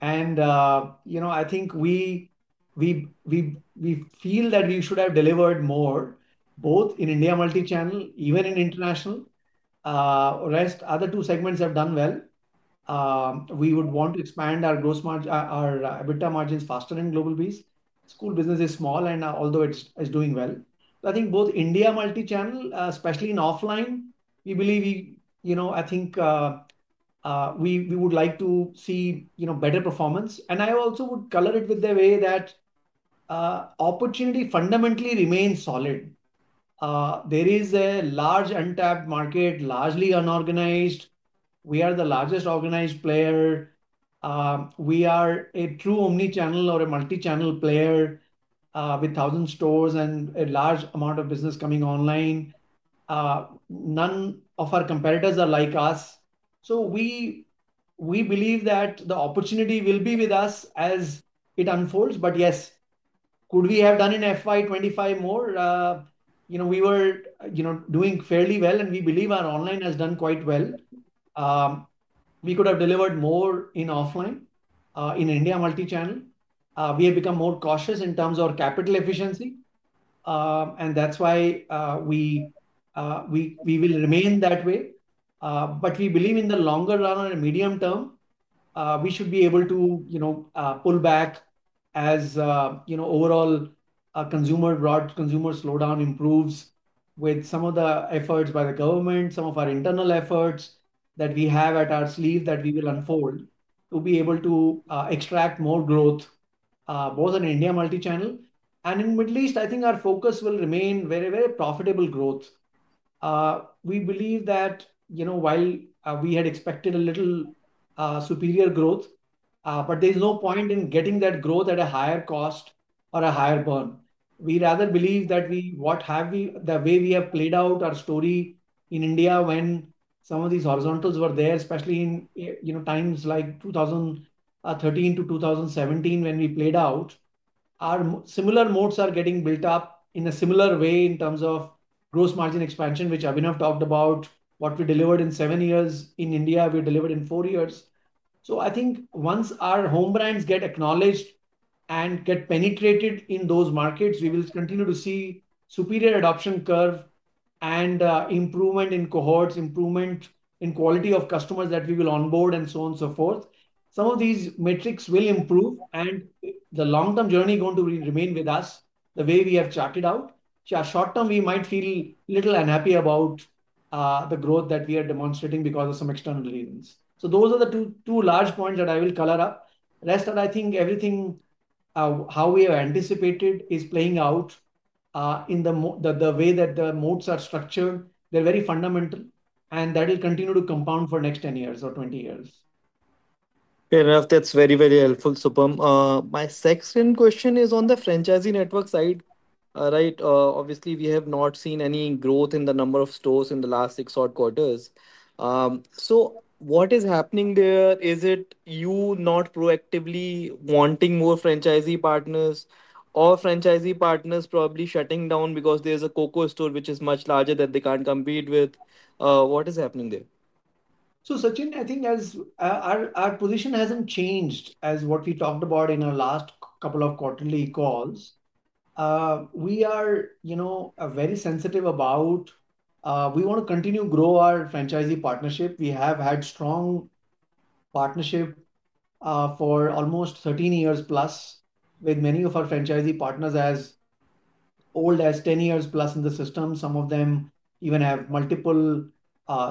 B: I think we feel that we should have delivered more, both in India Multichannel, even in International. Rest, other two segments have done well. We would want to expand our EBITDA margins faster in Globalbees. School business is small, and although it's doing well. I think both India Multichannel, especially in offline, we believe we would like to see better performance. I also would color it with the way that opportunity fundamentally remains solid. There is a large untapped market, largely unorganized. We are the largest organized player. We are a true omnichannel or a multichannel player with 1,000 stores and a large amount of business coming online. None of our competitors are like us. We believe that the opportunity will be with us as it unfolds. Yes, could we have done in FY2025 more? We were doing fairly well, and we believe our online has done quite well. We could have delivered more in offline in India Multichannel. We have become more cautious in terms of capital efficiency. That is why we will remain that way. We believe in the longer run or medium term, we should be able to pull back as overall consumer slowdown improves with some of the efforts by the government, some of our internal efforts that we have at our sleeve that we will unfold to be able to extract more growth both in India Multichannel. In the Middle East, I think our focus will remain very, very profitable growth. We believe that while we had expected a little superior growth, there is no point in getting that growth at a higher cost or a higher burn. We rather believe that the way we have played out our story in India when some of these horizontals were there, especially in times like 2013-2017 when we played out, our similar modes are getting built up in a similar way in terms of gross margin expansion, which Abhinav talked about. What we delivered in seven years in India, we delivered in four years. I think once our home brands get acknowledged and get penetrated in those markets, we will continue to see superior adoption curve and improvement in cohorts, improvement in quality of customers that we will onboard and so on and so forth. Some of these metrics will improve, and the long-term journey is going to remain with us the way we have charted out. Short term, we might feel a little unhappy about the growth that we are demonstrating because of some external reasons. Those are the two large points that I will color up. Rest of, I think everything how we have anticipated is playing out in the way that the modes are structured. They are very fundamental, and that will continue to compound for the next 10 years or 20 years.
G: Okay, Rav, that is very, very helpful, Supam. My second question is on the franchisee network side, right? Obviously, we have not seen any growth in the number of stores in the last six odd quarters. What is happening there? Is it you not proactively wanting more franchisee partners or franchisee partners probably shutting down because there is a COCO store which is much larger that they cannot compete with? What is happening there?
B: Sachin, I think our position has not changed as what we talked about in our last couple of quarterly calls. We are very sensitive about we want to continue to grow our franchisee partnership. We have had strong partnership for almost 13 years+ with many of our franchisee partners as old as 10 years+ in the system. Some of them even have multiple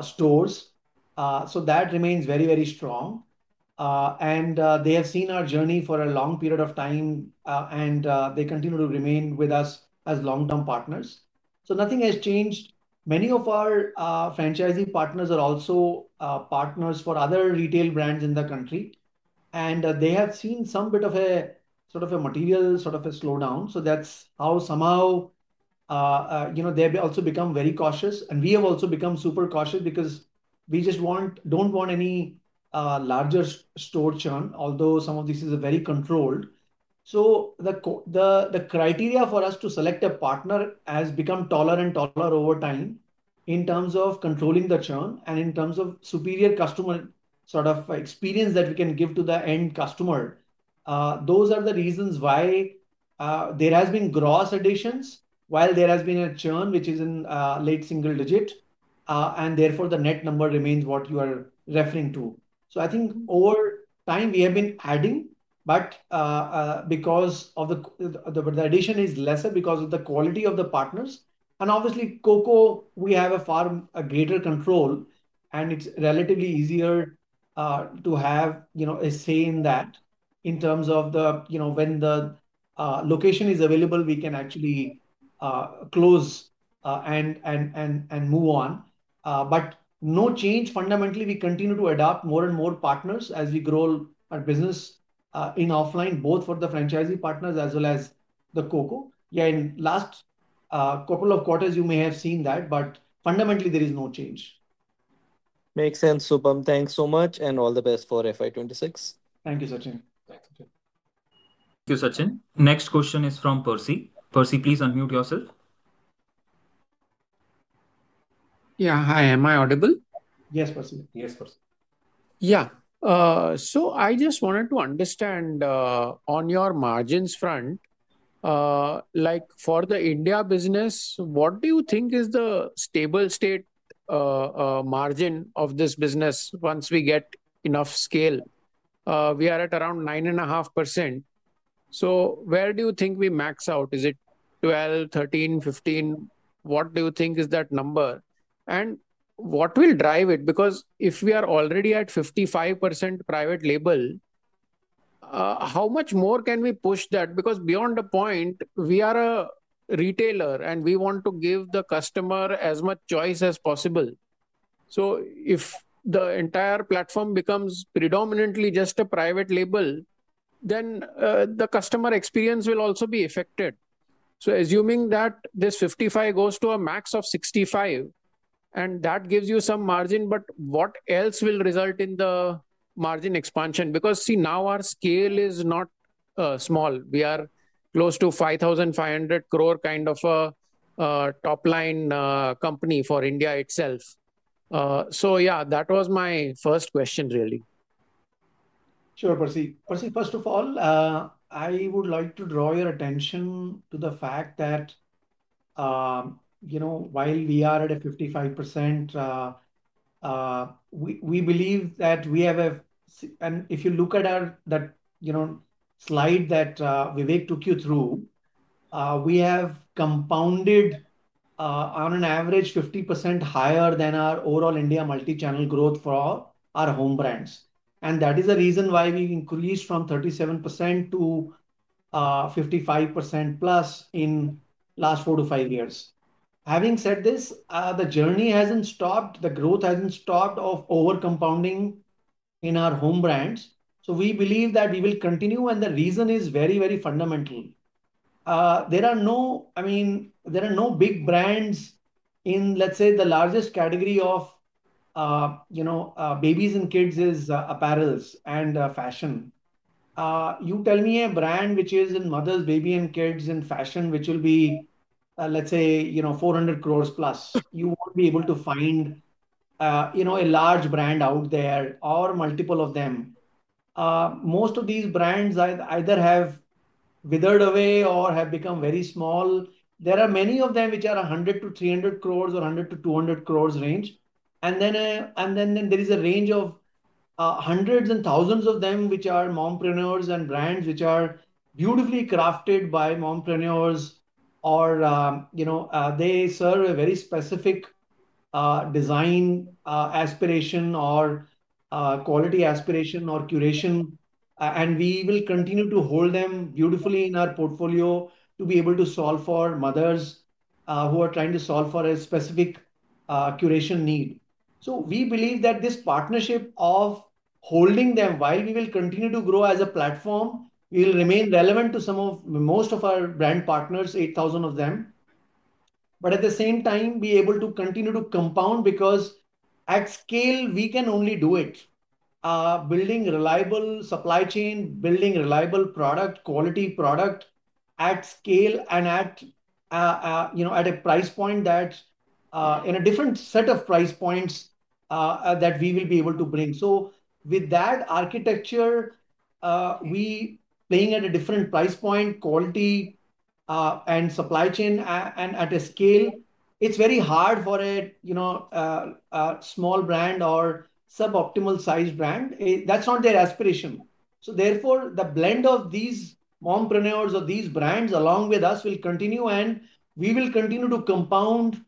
B: stores. That remains very, very strong. They have seen our journey for a long period of time, and they continue to remain with us as long-term partners. Nothing has changed. Many of our franchisee partners are also partners for other retail brands in the country. They have seen some bit of a sort of a material sort of a slowdown. That is how somehow they also become very cautious. We have also become super cautious because we just do not want any larger store churn, although some of this is very controlled. The criteria for us to select a partner has become taller and taller over time in terms of controlling the churn and in terms of superior customer sort of experience that we can give to the end customer. Those are the reasons why there have been gross additions while there has been a churn which is in late single digit. Therefore, the net number remains what you are referring to. I think over time, we have been adding, but because the addition is lesser because of the quality of the partners. Obviously, COCO, we have a far greater control, and it's relatively easier to have a say in that in terms of when the location is available, we can actually close and move on. No change. Fundamentally, we continue to adopt more and more partners as we grow our business in offline, both for the franchisee partners as well as the COCO. Yeah, in the last couple of quarters, you may have seen that, but fundamentally, there is no change.
G: Makes sense, Supam. Thanks so much, and all the best for FY2026.
B: Thank you, Sachin.
A: Thank you, Sachin. Next question is from Percy. Percy, please unmute yourself.
H: Yeah, hi. Am I audible?
B: Yes, Percy.
D: Yes, Percy.
H: Yeah. I just wanted to understand on your margins front, for the India business, what do you think is the stable state margin of this business once we get enough scale? We are at around 9.5%. Where do you think we max out? Is it 12%, 13%, 15%? What do you think is that number? What will drive it? Because if we are already at 55% private label, how much more can we push that? Because beyond the point, we are a retailer, and we want to give the customer as much choice as possible. If the entire platform becomes predominantly just a private label, then the customer experience will also be affected. Assuming that this 55% goes to a max of 65%, and that gives you some margin, what else will result in the margin expansion? See, now our scale is not small. We are close to 5,500 crore kind of a top-line company for India itself. That was my first question, really.
B: Sure, Percy. Percy, first of all, I would like to draw your attention to the fact that while we are at a 55%, we believe that we have a—and if you look at that slide that Vivek took you through, we have compounded on an average 50% higher than our overall India Multichannel growth for our home brands. That is the reason why we increased from 37% to 55%+ in the last 4-5 years. Having said this, the journey has not stopped. The growth has not stopped of over-compounding in our home brands. We believe that we will continue, and the reason is very, very fundamental. I mean, there are no big brands in, let's say, the largest category of babies and kids is apparels and fashion. You tell me a brand which is in mothers, baby, and kids in fashion, which will be, let's say, 400 crore+. You won't be able to find a large brand out there or multiple of them. Most of these brands either have withered away or have become very small. There are many of them which are 100-300 crore or 100-200 crore range. There is a range of hundreds and thousands of them which are mompreneurs and brands which are beautifully crafted by mompreneurs, or they serve a very specific design aspiration or quality aspiration or curation. We will continue to hold them beautifully in our portfolio to be able to solve for mothers who are trying to solve for a specific curation need. We believe that this partnership of holding them while we will continue to grow as a platform, we will remain relevant to most of our brand partners, 8,000 of them. At the same time, be able to continue to compound because at scale, we can only do it. Building reliable supply chain, building reliable product, quality product at scale and at a price point that in a different set of price points that we will be able to bring. With that architecture, we are playing at a different price point, quality, and supply chain. At a scale, it's very hard for a small brand or sub-optimal size brand. That's not their aspiration. Therefore, the blend of these mompreneurs or these brands along with us will continue, and we will continue to compound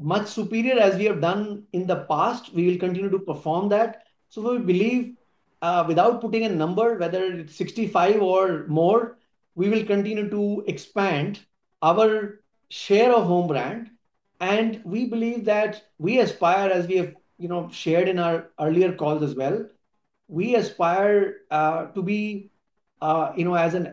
B: much superior as we have done in the past. We will continue to perform that. We believe without putting a number, whether it's 65 or more, we will continue to expand our share of home brand. We believe that we aspire, as we have shared in our earlier calls as well, we aspire to be as an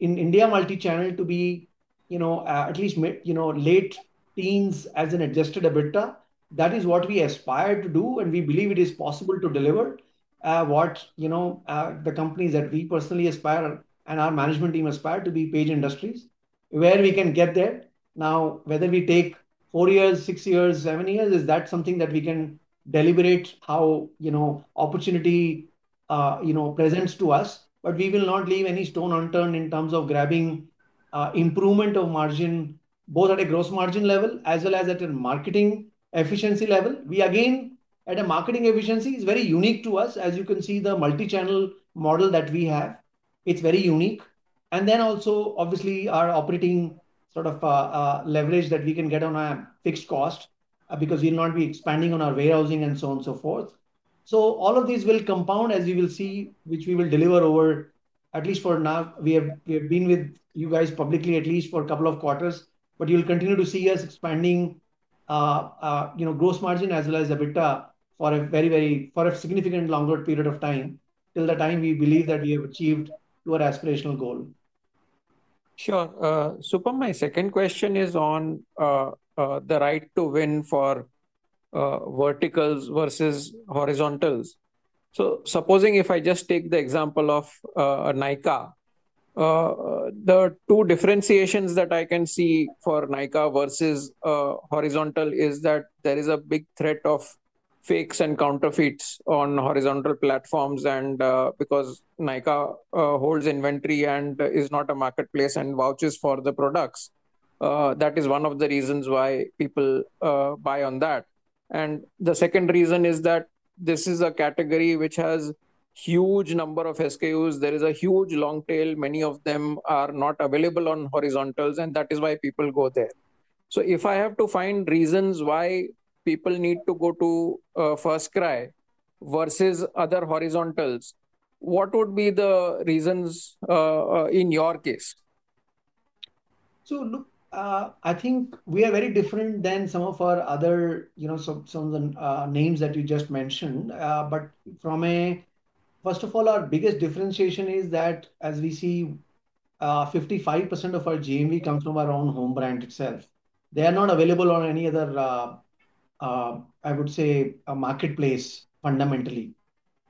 B: India Multichannel to be at least late teens as an adjusted EBITDA. That is what we aspire to do, and we believe it is possible to deliver what the companies that we personally aspire and our management team aspire to be Page Industries, where we can get there. Now, whether we take four years, six years, seven years, is that something that we can deliberate how opportunity presents to us? We will not leave any stone unturned in terms of grabbing improvement of margin, both at a gross margin level as well as at a marketing efficiency level. Again, at a marketing efficiency, it's very unique to us. As you can see, the multichannel model that we have, it's very unique. Obviously, our operating sort of leverage that we can get on a fixed cost because we'll not be expanding on our warehousing and so on and so forth. All of these will compound, as you will see, which we will deliver over at least for now. We have been with you guys publicly at least for a couple of quarters, but you'll continue to see us expanding gross margin as well as EBITDA for a significantly longer period of time till the time we believe that we have achieved our aspirational goal.
H: Sure. Supam, my second question is on the right to win for verticals versus horizontals. Supposing if I just take the example of Nykaa, the two differentiations that I can see for Nykaa versus horizontals is that there is a big threat of fakes and counterfeits on horizontal platforms because Nykaa holds inventory and is not a marketplace and vouches for the products. That is one of the reasons why people buy on that. The second reason is that this is a category which has a huge number of SKUs. There is a huge long tail. Many of them are not available on horizontals, and that is why people go there. If I have to find reasons why people need to go to FirstCry versus other horizontals, what would be the reasons in your case?
B: Look, I think we are very different than some of our other names that you just mentioned. First of all, our biggest differentiation is that as we see, 55% of our GMV comes from our own home brand itself. They are not available on any other, I would say, marketplace fundamentally.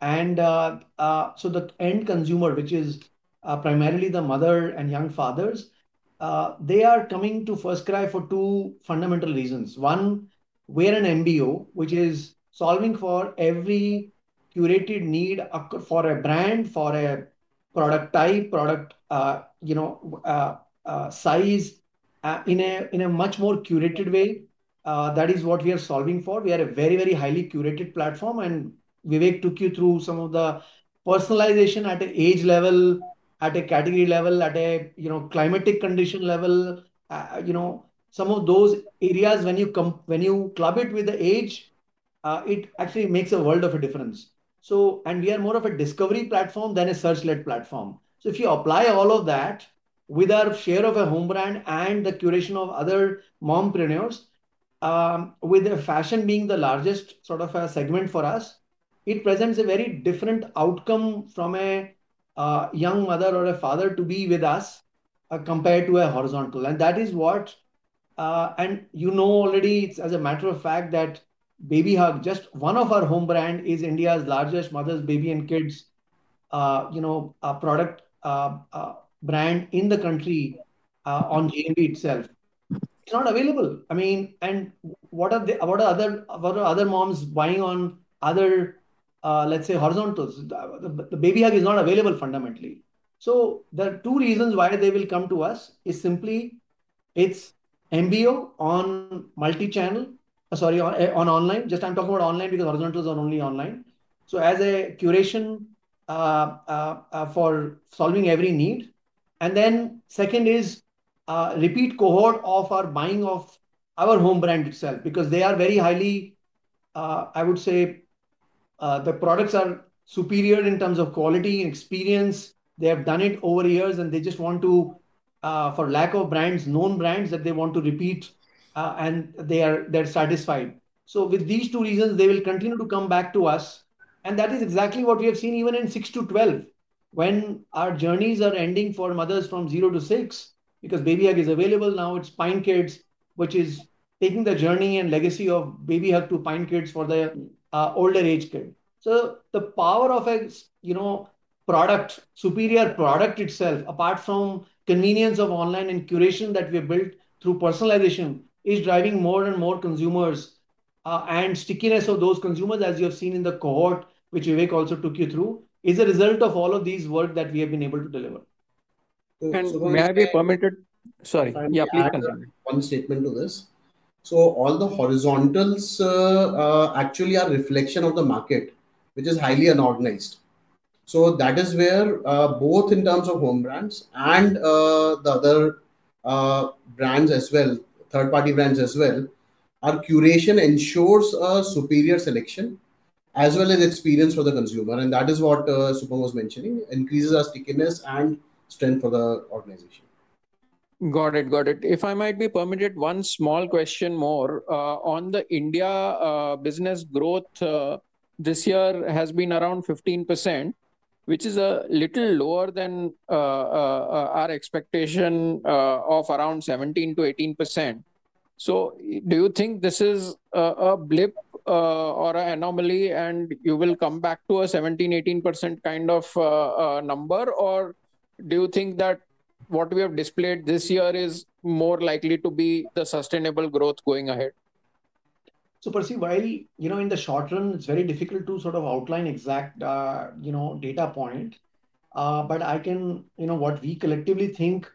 B: The end consumer, which is primarily the mother and young fathers, they are coming to FirstCry for two fundamental reasons. One, we are an NBO, which is solving for every curated need for a brand, for a product type, product size in a much more curated way. That is what we are solving for. We are a very, very highly curated platform. Vivek took you through some of the personalization at an age level, at a category level, at a climatic condition level. Some of those areas, when you club it with the age, it actually makes a world of a difference. We are more of a discovery platform than a search-led platform. If you apply all of that with our share of a home brand and the curation of other mompreneurs, with fashion being the largest sort of segment for us, it presents a very different outcome from a young mother or a father to be with us compared to a horizontal. That is what—you know already, it is as a matter of fact that BabyHug, just one of our home brands, is India's largest mothers, baby, and kids product brand in the country on GMV itself. It is not available. I mean, what are other moms buying on other, let's say, horizontals? The BabyHug is not available fundamentally. The two reasons why they will come to us is simply it is NBO on multichannel, sorry, on online. Just I'm talking about online because horizontals are only online. As a curation for solving every need. Then second is repeat cohort of our buying of our home brand itself because they are very highly, I would say, the products are superior in terms of quality and experience. They have done it over years, and they just want to, for lack of brands, known brands that they want to repeat, and they are satisfied. With these two reasons, they will continue to come back to us. That is exactly what we have seen even in 6 to 12 when our journeys are ending for mothers from 0 to 6 because BabyHug is available now. It's PineKids, which is taking the journey and legacy of BabyHug to PineKids for the older age kid. The power of a superior product itself, apart from convenience of online and curation that we have built through personalization, is driving more and more consumers. Stickiness of those consumers, as you have seen in the cohort, which Vivek also took you through, is a result of all of this work that we have been able to deliver.
C: May I be permitted—sorry, yeah, please continue. One statement to this. All the horizontals actually are a reflection of the market, which is highly unorganized. That is where both in terms of home brands and the other brands as well, third-party brands as well, our curation ensures a superior selection as well as experience for the consumer. That is what Supam was mentioning. It increases our stickiness and strength for the organization.
H: Got it. Got it. If I might be permitted, one small question more. On the India business growth, this year has been around 15%, which is a little lower than our expectation of around 17%-18%. Do you think this is a blip or an anomaly, and you will come back to a 17%-18% kind of number? Or do you think that what we have displayed this year is more likely to be the sustainable growth going ahead?
B: Percy, while in the short term, it's very difficult to sort of outline exact data point, what we collectively think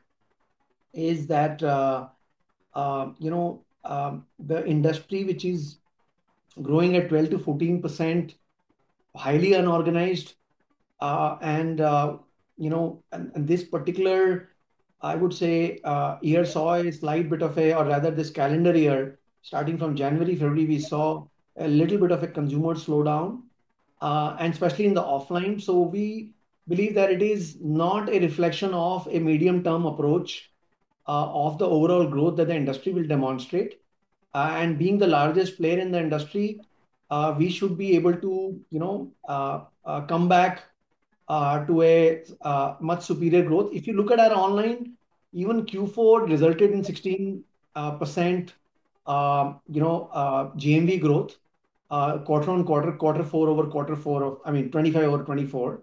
B: is that the industry, which is growing at 12%-14%, is highly unorganized. This particular, I would say, year saw a slight bit of a—or rather, this calendar year, starting from January, February, we saw a little bit of a consumer slowdown, especially in the offline. We believe that it is not a reflection of a medium-term approach of the overall growth that the industry will demonstrate. Being the largest player in the industry, we should be able to come back to a much superior growth. If you look at our online, even Q4 resulted in 16% GMV growth, quarter-on-quarter, quarter four over quarter four of—I mean, 2025 over 2024.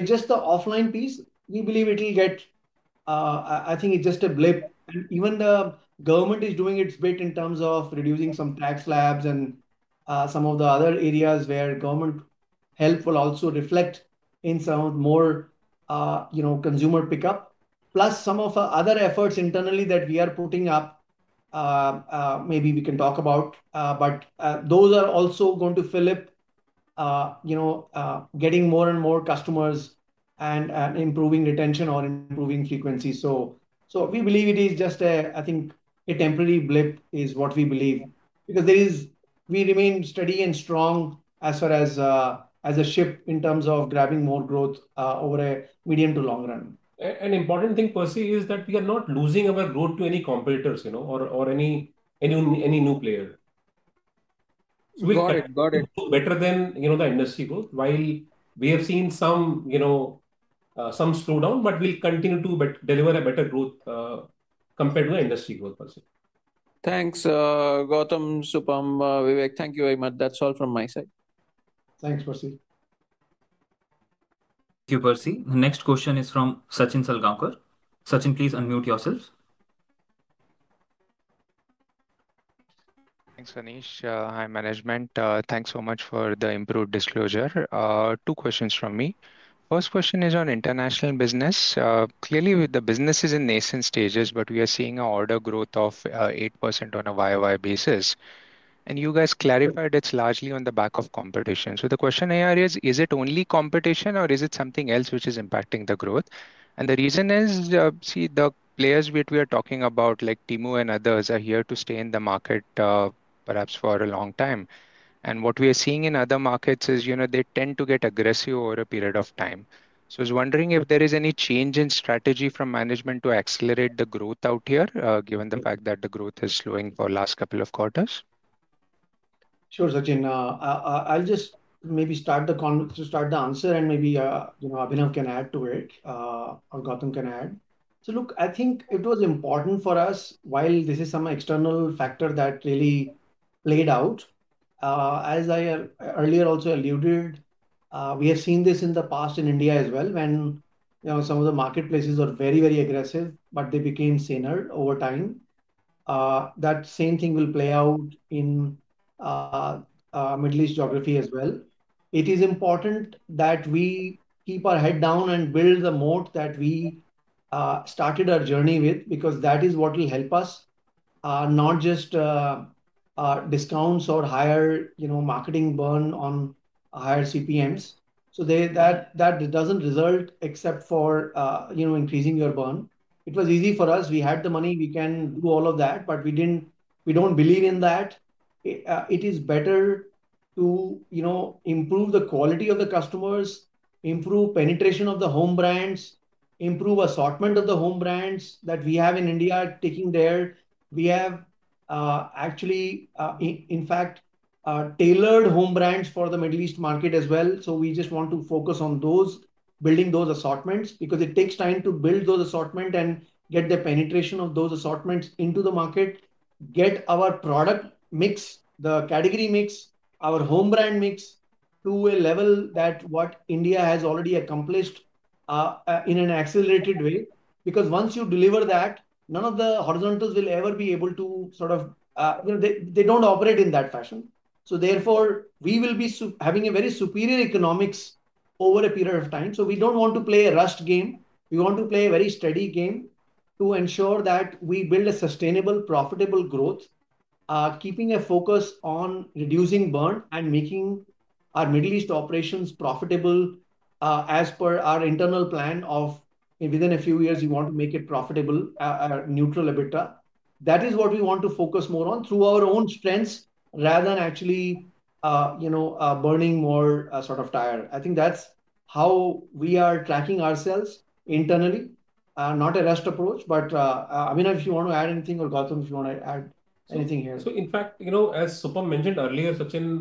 B: Just the offline piece, we believe it will get—I think it's just a blip. Even the government is doing its bit in terms of reducing some tax slabs and some of the other areas where government help will also reflect in some more consumer pickup, plus some of our other efforts internally that we are putting up. Maybe we can talk about, but those are also going to fill up, getting more and more customers and improving retention or improving frequency. We believe it is just a—I think a temporary blip is what we believe because we remain steady and strong as far as a ship in terms of grabbing more growth over a medium to long run.
D: An important thing, Percy, is that we are not losing our growth to any competitors or any new player. Got it. Got it. Better than the industry growth, while we have seen some slowdown, but we will continue to deliver a better growth compared to the industry growth, Percy.
H: Thanks, Gautam, Supam, Vivek. Thank you very much. That is all from my side.
B: Thanks, Percy.
A: Thank you, Percy. The next question is from Sachin Salgaonkar. Sachin, please unmute yourself.
I: Thanks, Anish. Hi, management. Thanks so much for the improved disclosure. Two questions from me. First question is on International Business. Clearly, the business is in nascent stages, but we are seeing an order growth of 8% on a YoY basis. You guys clarified it's largely on the back of competition. The question I have is, is it only competition, or is it something else which is impacting the growth? The reason is, see, the players which we are talking about, like Temu and others, are here to stay in the market perhaps for a long time. What we are seeing in other markets is they tend to get aggressive over a period of time. I was wondering if there is any change in strategy from management to accelerate the growth out here, given the fact that the growth is slowing for the last couple of quarters.
B: Sure, Sachin. I'll just maybe start the answer, and maybe Abhinav can add to it, or Gautam can add. I think it was important for us, while this is some external factor that really played out. As I earlier also alluded, we have seen this in the past in India as well, when some of the marketplaces are very, very aggressive, but they became thinner over time. That same thing will play out in Middle East geography as well. It is important that we keep our head down and build the moat that we started our journey with because that is what will help us, not just discounts or higher marketing burn on higher CPMs. That does not result except for increasing your burn. It was easy for us. We had the money. We can do all of that, but we do not believe in that. It is better to improve the quality of the customers, improve penetration of the home brands, improve assortment of the home brands that we have in India taking there. We have actually, in fact, tailored home brands for the Middle East market as well. We just want to focus on those, building those assortments because it takes time to build those assortments and get the penetration of those assortments into the market, get our product mix, the category mix, our home brand mix to a level that what India has already accomplished in an accelerated way. Once you deliver that, none of the horizontals will ever be able to sort of—they do not operate in that fashion. Therefore, we will be having a very superior economics over a period of time. We do not want to play a rushed game. We want to play a very steady game to ensure that we build a sustainable, profitable growth, keeping a focus on reducing burn and making our Middle East operations profitable as per our internal plan of within a few years, we want to make it profitable, neutral EBITDA. That is what we want to focus more on through our own strengths rather than actually burning more sort of tire. I think that's how we are tracking ourselves internally, not a rushed approach. Abhinav, if you want to add anything, or Gautam, if you want to add anything here.
D: In fact, as Supam mentioned earlier, Sachin,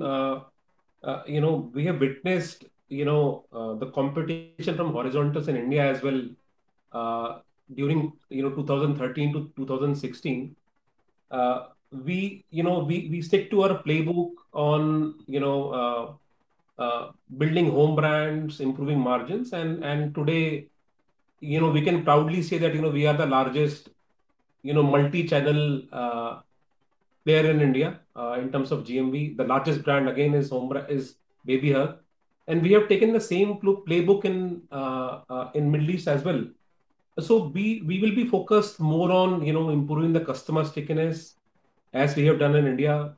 D: we have witnessed the competition from horizontals in India as well during 2013-2016. We stick to our playbook on building home brands, improving margins. Today, we can proudly say that we are the largest multichannel player in India in terms of GMV. The largest brand, again, is BabyHug. We have taken the same playbook in Middle East as well. We will be focused more on improving the customer stickiness as we have done in India.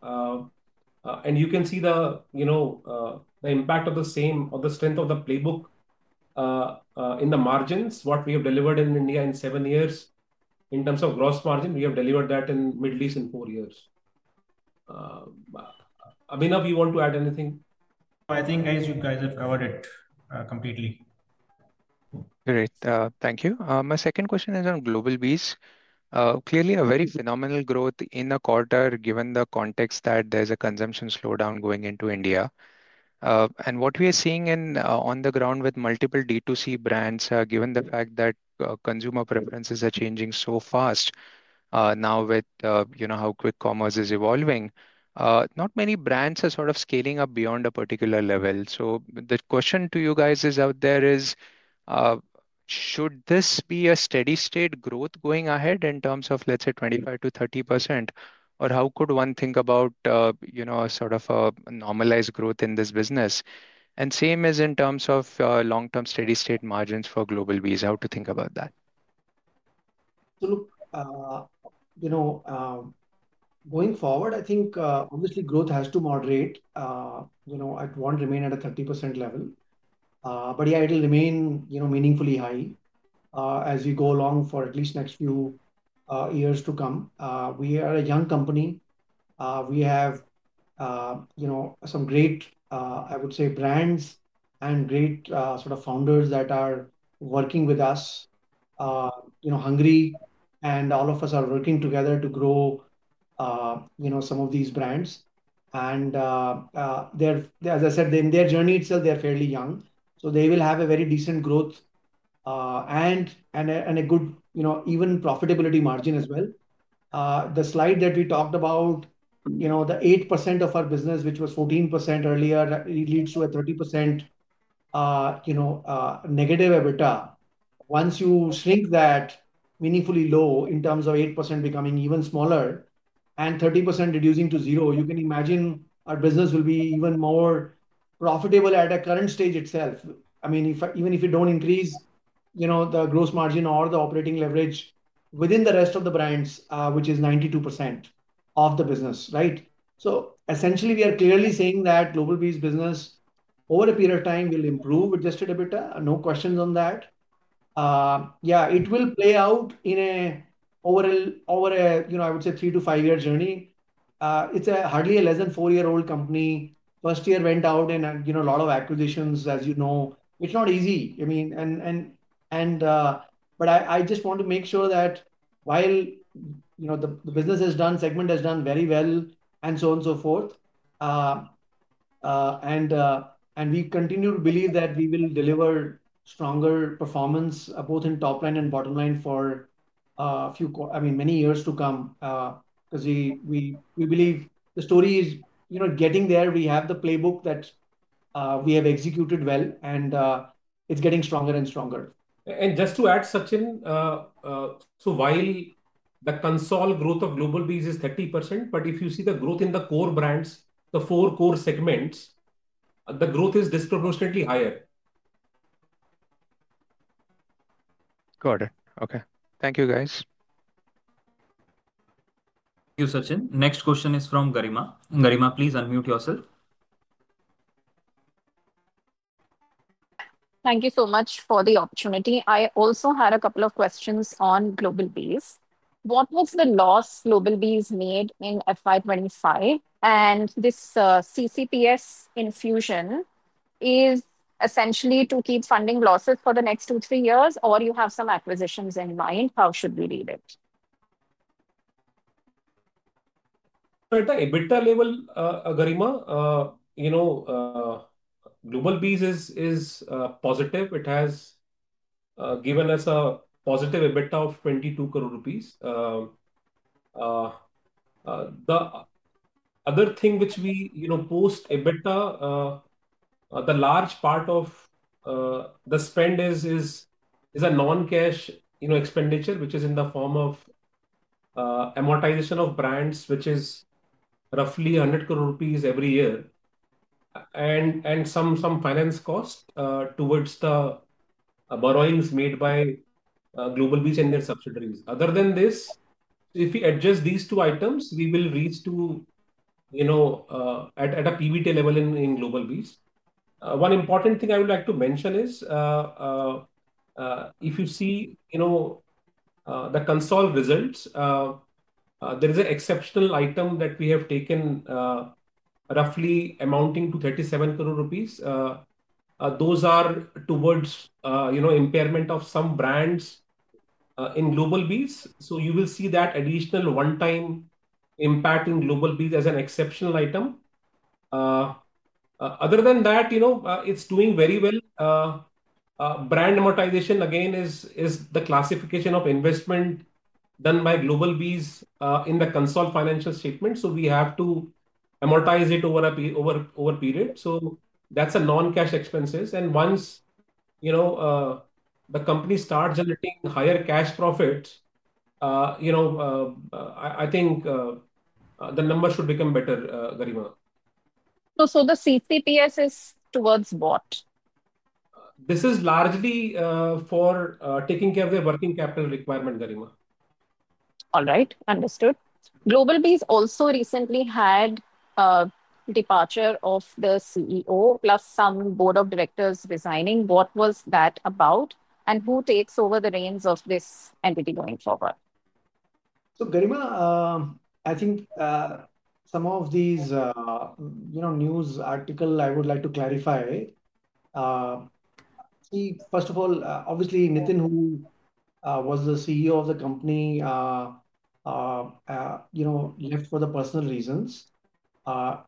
D: You can see the impact of the same or the strength of the playbook in the margins, what we have delivered in India in seven years in terms of gross margin. We have delivered that in Middle East in four years. Abhinav, you want to add anything?
E: I think, guys, you guys have covered it completely.
I: Great. Thank you. My second question is on Globalbees. Clearly, a very phenomenal growth in the quarter given the context that there's a consumption slowdown going into India. What we are seeing on the ground with multiple D2C brands, given the fact that consumer preferences are changing so fast now with how quick commerce is evolving, not many brands are sort of scaling up beyond a particular level. The question to you guys out there is, should this be a steady-state growth going ahead in terms of, let's say, 25%-30%? How could one think about sort of a normalized growth in this business? Same as in terms of long-term steady-state margins for Globalbees, how to think about that?
B: Look, going forward, I think, obviously, growth has to moderate. It will not remain at a 30% level. Yeah, it will remain meaningfully high as we go along for at least the next few years to come. We are a young company. We have some great, I would say, brands and great sort of founders that are working with us, hungry, and all of us are working together to grow some of these brands. As I said, in their journey itself, they are fairly young. They will have a very decent growth and a good, even profitability margin as well. The slide that we talked about, the 8% of our business, which was 14% earlier, it leads to a 30% negative EBITDA. Once you shrink that meaningfully low in terms of 8% becoming even smaller and 30% reducing to zero, you can imagine our business will be even more profitable at a current stage itself. I mean, even if you do not increase the gross margin or the operating leverage within the rest of the brands, which is 92% of the business, right? Essentially, we are clearly saying that Globalbees business, over a period of time, will improve with just a little bit. No questions on that. Yeah, it will play out in an over, I would say, three- to five-year journey. It is hardly a less than four-year-old company. First year went out in a lot of acquisitions, as you know. It is not easy. I mean, I just want to make sure that while the business has done, segment has done very well, and so on and so forth. We continue to believe that we will deliver stronger performance, both in top line and bottom line for, I mean, many years to come because we believe the story is getting there. We have the playbook that we have executed well, and it is getting stronger and stronger.
D: Just to add, Sachin, while the console growth of Globalbees is 30%, if you see the growth in the core brands, the four core segments, the growth is disproportionately higher.
I: Got it. Okay. Thank you, guys.
A: Thank you, Sachin. Next question is from Garima. Garima, please unmute yourself.
J: Thank you so much for the opportunity. I also had a couple of questions on Globalbees. What was the loss Globalbees made in FY2025? And this CCPS infusion is essentially to keep funding losses for the next two-three years, or you have some acquisitions in mind? How should we read it?
D: At the EBITDA level, Garima, Globalbees is positive. It has given us a positive EBITDA of 22 crore rupees. The other thing which we post EBITDA, the large part of the spend is a non-cash expenditure, which is in the form of amortization of brands, which is roughly 1.00 billion rupees every year, and some finance cost towards the borrowings made by Globalbees and their subsidiaries. Other than this, if we adjust these two items, we will reach to at a PBT level in Globalbees. One important thing I would like to mention is if you see the consol results, there is an exceptional item that we have taken roughly amounting to 370 million rupees. Those are towards impairment of some brands in Globalbees. You will see that additional one-time impact in Globalbees as an exceptional item. Other than that, it's doing very well. Brand amortization, again, is the classification of investment done by Globalbees in the console financial statement. We have to amortize it over a period. That is a non-cash expense. Once the company starts generating higher cash profit, I think the number should become better, Garima.
J: The CCPS is towards what?
D: This is largely for taking care of the working capital requirement, Garima.
J: All right. Understood. Globalbees also recently had a departure of the CEO, plus some Board of Directors resigning. What was that about? Who takes over the reins of this entity going forward?
B: Garima, I think some of these news articles I would like to clarify. First of all, obviously, Nitin, who was the CEO of the company, left for personal reasons.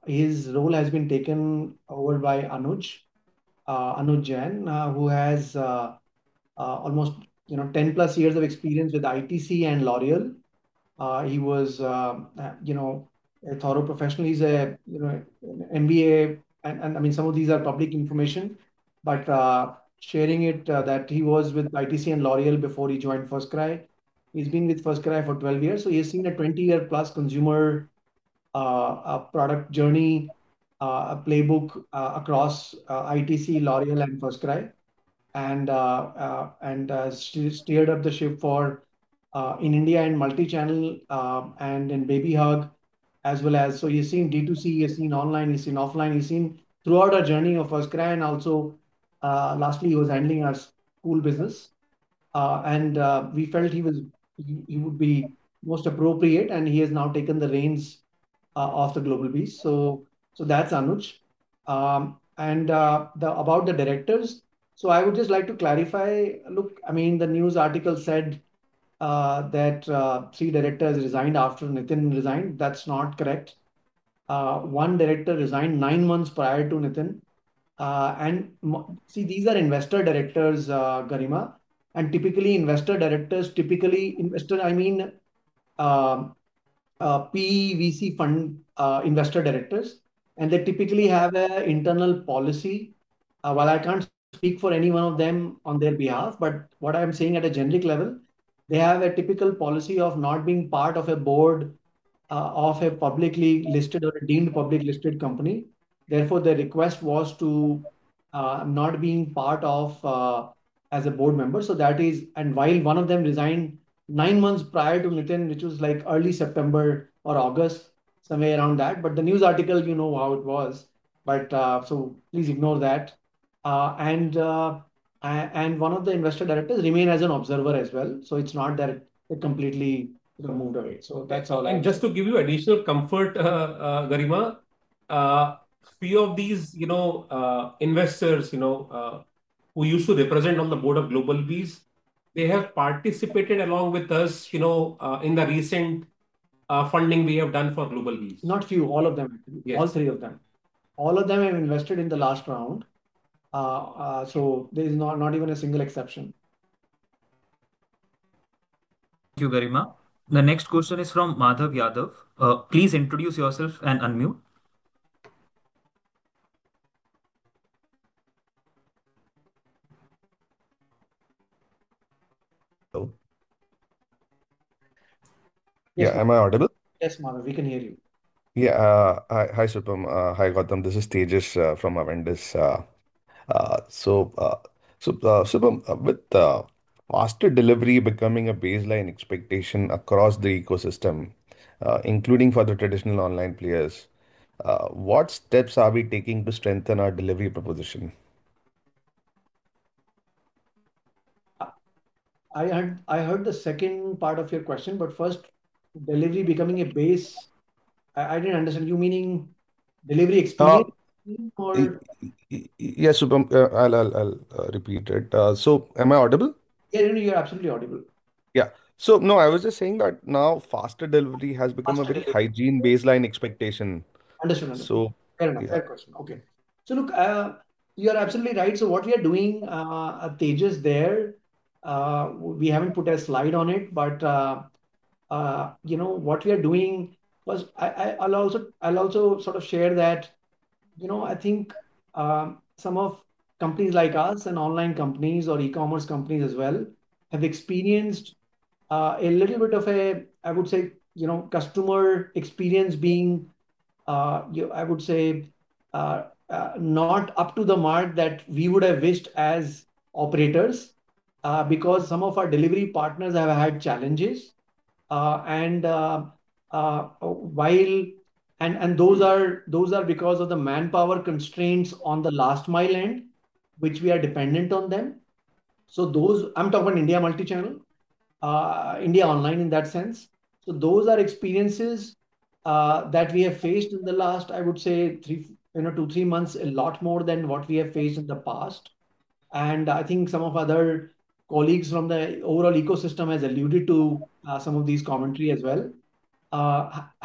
B: His role has been taken over by Anuj Jain, who has almost 10+ years of experience with ITC and L'Oreal. He was a thorough professional. He is an MBA. I mean, some of these are public information, but sharing it that he was with ITC and L'Oreal before he joined FirstCry. He's been with FirstCry for 12 years. He has seen a 20-year+ consumer product journey, a playbook across ITC, L'Oreal, and FirstCry, and steered up the ship in India and multichannel and in BabyHug, as well. He has seen D2C, he has seen online, he has seen offline. He has seen throughout our journey of FirstCry. Also, lastly, he was handling our school business. We felt he would be most appropriate, and he has now taken the reins of Globalbees. That's Anuj. About the Directors, I would just like to clarify. Look, the news article said that three Directors resigned after Nitin resigned. That's not correct. One Director resigned nine months prior to Nitin. These are Investor Directors, Garima. Typically, Investor Directors, I mean, PeVC fund Investor Directors, have an internal policy. I cannot speak for any one of them on their behalf, but at a generic level, they have a typical policy of not being part of a Board of a publicly listed or deemed publicly listed company. Therefore, their request was to not be part of a Board member. That is, and while one of them resigned nine months prior to Nitin, which was early September or August, somewhere around that, the news article, you know how it was. Please ignore that. One of the Investor Directors remained as an observer as well. It is not that they completely removed away. That is all I have.
D: Just to give you additional comfort, Garima, a few of these investors who used to represent on the Board of Globalbees, they have participated along with us in the recent funding we have done for Globalbees.
B: Not a few, all of them. All three of them. All of them have invested in the last round. There is not even a single exception.
A: Thank you, Garima. The next question is from Madhav Yadav. Please introduce yourself and unmute.
K: Hello. Yeah. Am I audible?
B: Yes, Madhav. We can hear you.
K: Yeah. Hi, Supam. Hi, Gautam. This is Tejas from Avendus. Supam, with faster delivery becoming a baseline expectation across the ecosystem, including for the traditional online players, what steps are we taking to strengthen our delivery proposition?
B: I heard the second part of your question, but first, delivery becoming a base. I did not understand. You meaning delivery experience or?
K: Yeah, Supam. I'll repeat it. Am I audible?
B: Yeah. You're absolutely audible.
K: I was just saying that now faster delivery has become a very hygiene baseline expectation.
B: Understood. Fair enough. Fair question. Look, you're absolutely right. What we are doing, Tejas, we haven't put a slide on it, but what we are doing is I'll also sort of share that I think some companies like us and online companies or e-commerce companies as well have experienced a little bit of a, I would say, customer experience being, I would say, not up to the mark that we would have wished as operators because some of our delivery partners have had challenges. Those are because of the manpower constraints on the last mile end, which we are dependent on them. I'm talking about India Multichannel, India online in that sense. Those are experiences that we have faced in the last, I would say, two, three months, a lot more than what we have faced in the past. I think some of other colleagues from the overall ecosystem have alluded to some of this commentary as well.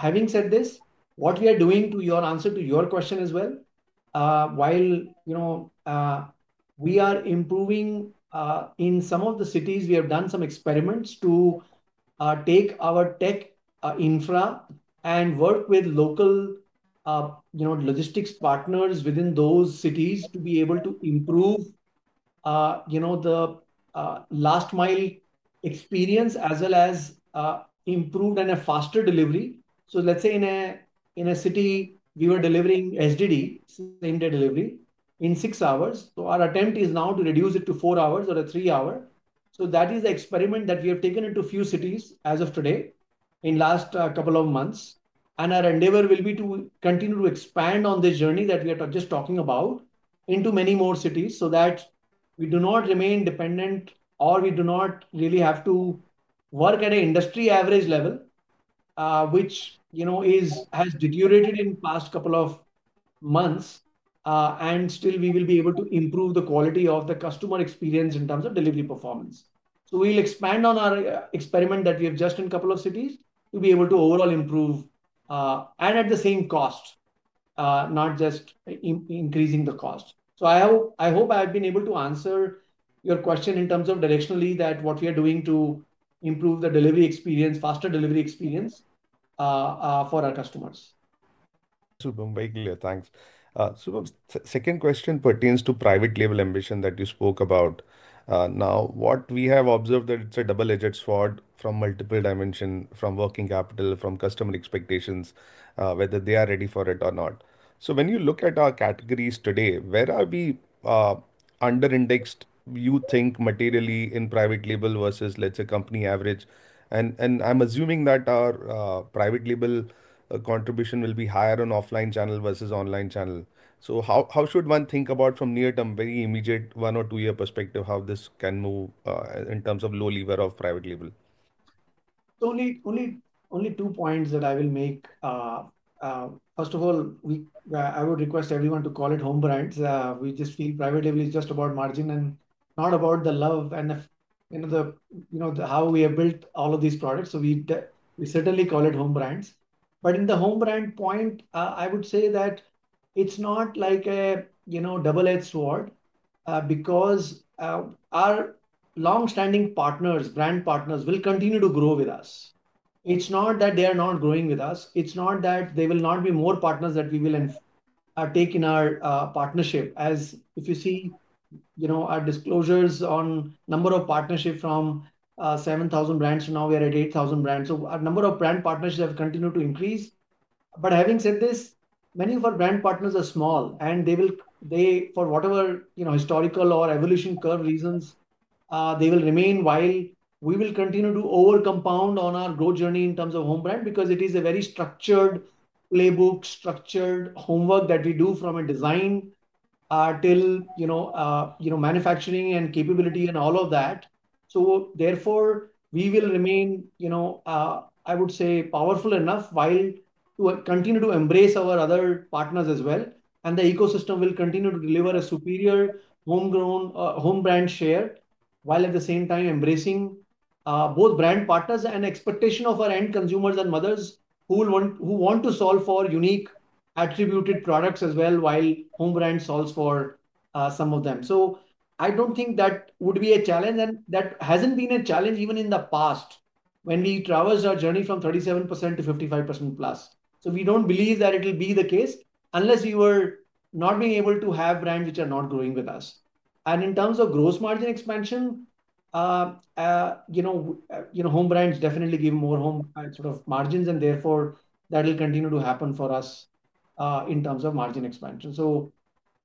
B: Having said this, what we are doing to your answer to your question as well, while we are improving in some of the cities, we have done some experiments to take our tech infra and work with local logistics partners within those cities to be able to improve the last mile experience as well as improve and have faster delivery. Let's say in a city, we were delivering SDD, same-day delivery, in six hours. Our attempt is now to reduce it to four hours or a three-hour. That is the experiment that we have taken into a few cities as of today in the last couple of months. Our endeavor will be to continue to expand on the journey that we are just talking about into many more cities so that we do not remain dependent or we do not really have to work at an industry average level, which has deteriorated in the past couple of months. Still, we will be able to improve the quality of the customer experience in terms of delivery performance. We will expand on our experiment that we have just in a couple of cities to be able to overall improve and at the same cost, not just increasing the cost. I hope I've been able to answer your question in terms of directionally that what we are doing to improve the delivery experience, faster delivery experience for our customers.
K: Supam. Thanks. Supam. Second question pertains to private label ambition that you spoke about. Now, what we have observed that it's a double-edged sword from multiple dimensions, from working capital, from customer expectations, whether they are ready for it or not. When you look at our categories today, where are we underindexed, you think, materially in private label versus, let's say, company average? I'm assuming that our private label contribution will be higher on offline channel versus online channel. How should one think about from near-term, very immediate one or two-year perspective, how this can move in terms of low lever of private label?
B: Only two points that I will make. First of all, I would request everyone to call it home brands. We just feel private label is just about margin and not about the love and the how we have built all of these products. We certainly call it home brands. In the home brand point, I would say that it's not like a double-edged sword because our long-standing partners, brand partners, will continue to grow with us. It's not that they are not growing with us. It's not that there will not be more partners that we will take in our partnership. If you see our disclosures on number of partnerships from 7,000 brands, now we are at 8,000 brands. Our number of brand partners have continued to increase. Having said this, many of our brand partners are small, and for whatever historical or evolution curve reasons, they will remain while we will continue to overcompound on our growth journey in terms of home brand because it is a very structured playbook, structured homework that we do from design till manufacturing and capability and all of that. Therefore, we will remain, I would say, powerful enough while to continue to embrace our other partners as well. The ecosystem will continue to deliver a superior homegrown home brand share while at the same time embracing both brand partners and expectation of our end consumers and mothers who want to solve for unique attributed products as well while home brand solves for some of them. I do not think that would be a challenge, and that has not been a challenge even in the past when we traversed our journey from 37% to 55%+. We do not believe that it will be the case unless we were not able to have brands which are not growing with us. In terms of gross margin expansion, home brands definitely give more home sort of margins, and therefore, that will continue to happen for us in terms of margin expansion.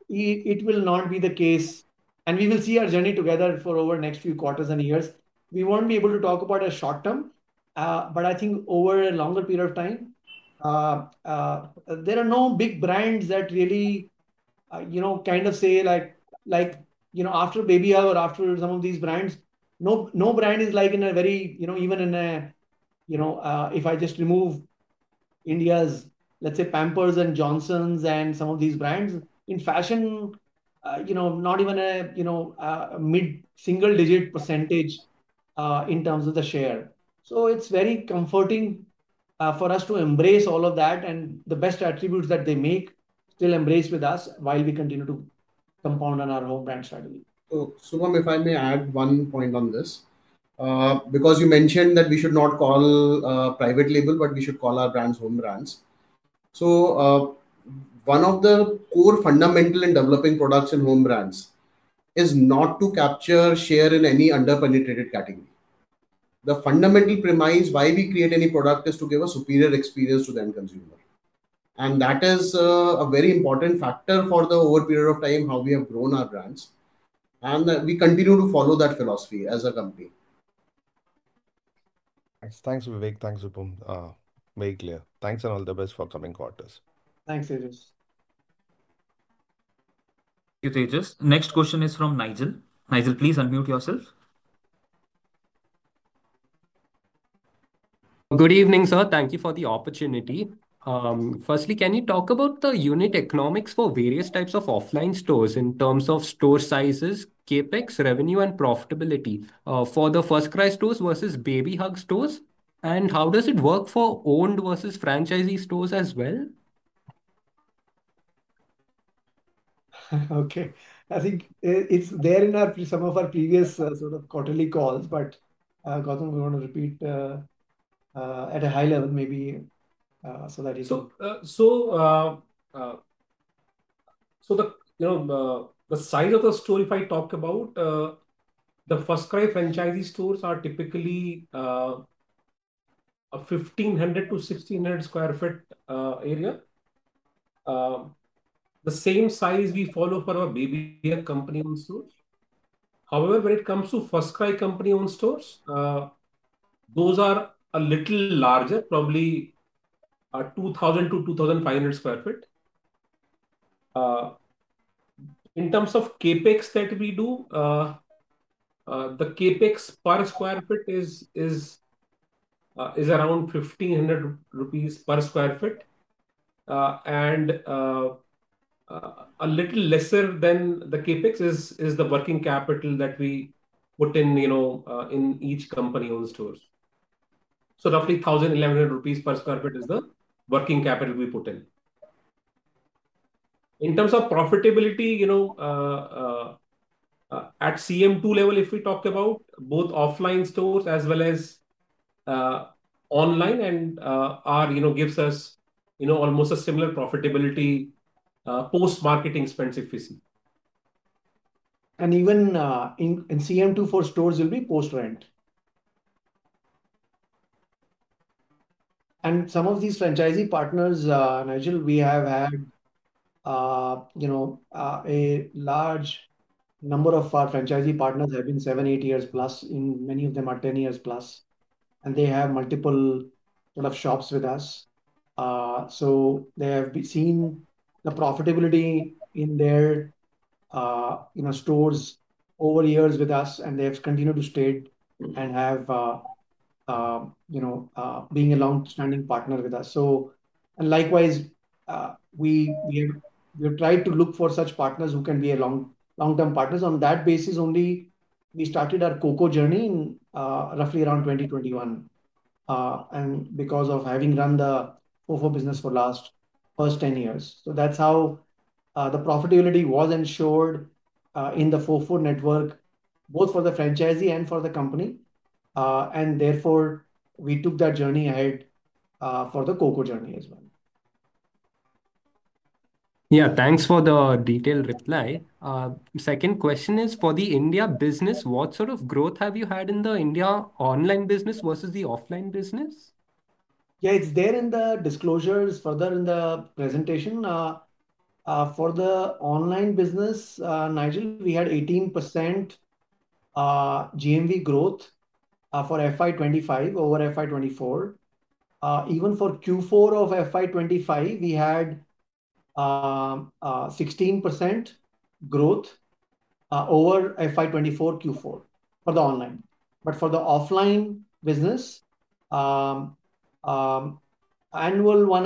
B: It will not be the case. We will see our journey together over the next few quarters and years. We won't be able to talk about a short term, but I think over a longer period of time, there are no big brands that really kind of say like after BabyHug or after some of these brands, no brand is like in a very even in a if I just remove India's, let's say, Pampers and Johnson's and some of these brands, in fashion, not even a mid-single-digit percentage in terms of the share. It is very comforting for us to embrace all of that and the best attributes that they make still embrace with us while we continue to compound on our home brand strategy.
C: Supam, if I may add one point on this, because you mentioned that we should not call private label, but we should call our brands home brands. One of the core fundamentals in developing products in home brands is not to capture share in any underpenetrated category. The fundamental premise why we create any product is to give a superior experience to the end consumer. That is a very important factor for the over period of time how we have grown our brands. We continue to follow that philosophy as a company.
K: Thanks, Vivek. Thanks, Supam. Very clear. Thanks and all the best for coming quarters.
B: Thanks, Tejas.
A: Thank you, Tejas. Next question is from Nigel. Nigel, please unmute yourself. Good evening, sir. Thank you for the opportunity. Firstly, can you talk about the unit economics for various types of offline stores in terms of store sizes, CapEx, revenue, and profitability for the FirstCry stores versus BabyHug stores? How does it work for owned versus franchisee stores as well?
B: Okay. I think it's there in some of our previous sort of quarterly calls, but Gautam, we want to repeat at a high level maybe so that you know.
D: So the size of the store, if I talk about the FirstCry franchisee stores, are typically a 1,500-1,600 sq ft area. The same size we follow for our BabyHug company-owned stores. However, when it comes to FirstCry company-owned stores, those are a little larger, probably 2,000-2,500 sq ft. In terms of CapEx that we do, the CapEx per sq ft is around 1,500 rupees per sq ft. And a little lesser than the CapEx is the working capital that we put in each company-owned store. So roughly 1,100 rupees per sq ft is the working capital we put in. In terms of profitability, at CM2 level, if we talk about both offline stores as well as online, it gives us almost a similar profitability post-market expense, if you see.
B: Even in CM2 for stores, it will be post-rent. Some of these franchisee partners, Nigel, we have had a large number of our franchisee partners who have been seven, eight years plus. Many of them are 10 years+. They have multiple sort of shops with us. They have seen the profitability in their stores over years with us, and they have continued to stay and have been a long-standing partner with us. Likewise, we have tried to look for such partners who can be long-term partners. On that basis, only we started our COCO journey roughly around 2021 because of having run the FOFO business for the first 10 years. That's how the profitability was ensured in the FOFO network, both for the franchisee and for the company. Therefore, we took that journey ahead for the COCO journey as well. Yeah. Thanks for the detailed reply. Second question is for the India business, what sort of growth have you had in the India online business versus the offline business? Yeah. It's there in the disclosures further in the presentation. For the online business, Nigel, we had 18% GMV growth for FY 2025 over FY 2024. Even for Q4 of FY 2025, we had 16% growth over FY 2024 Q4 for the online. For the offline business, annual one,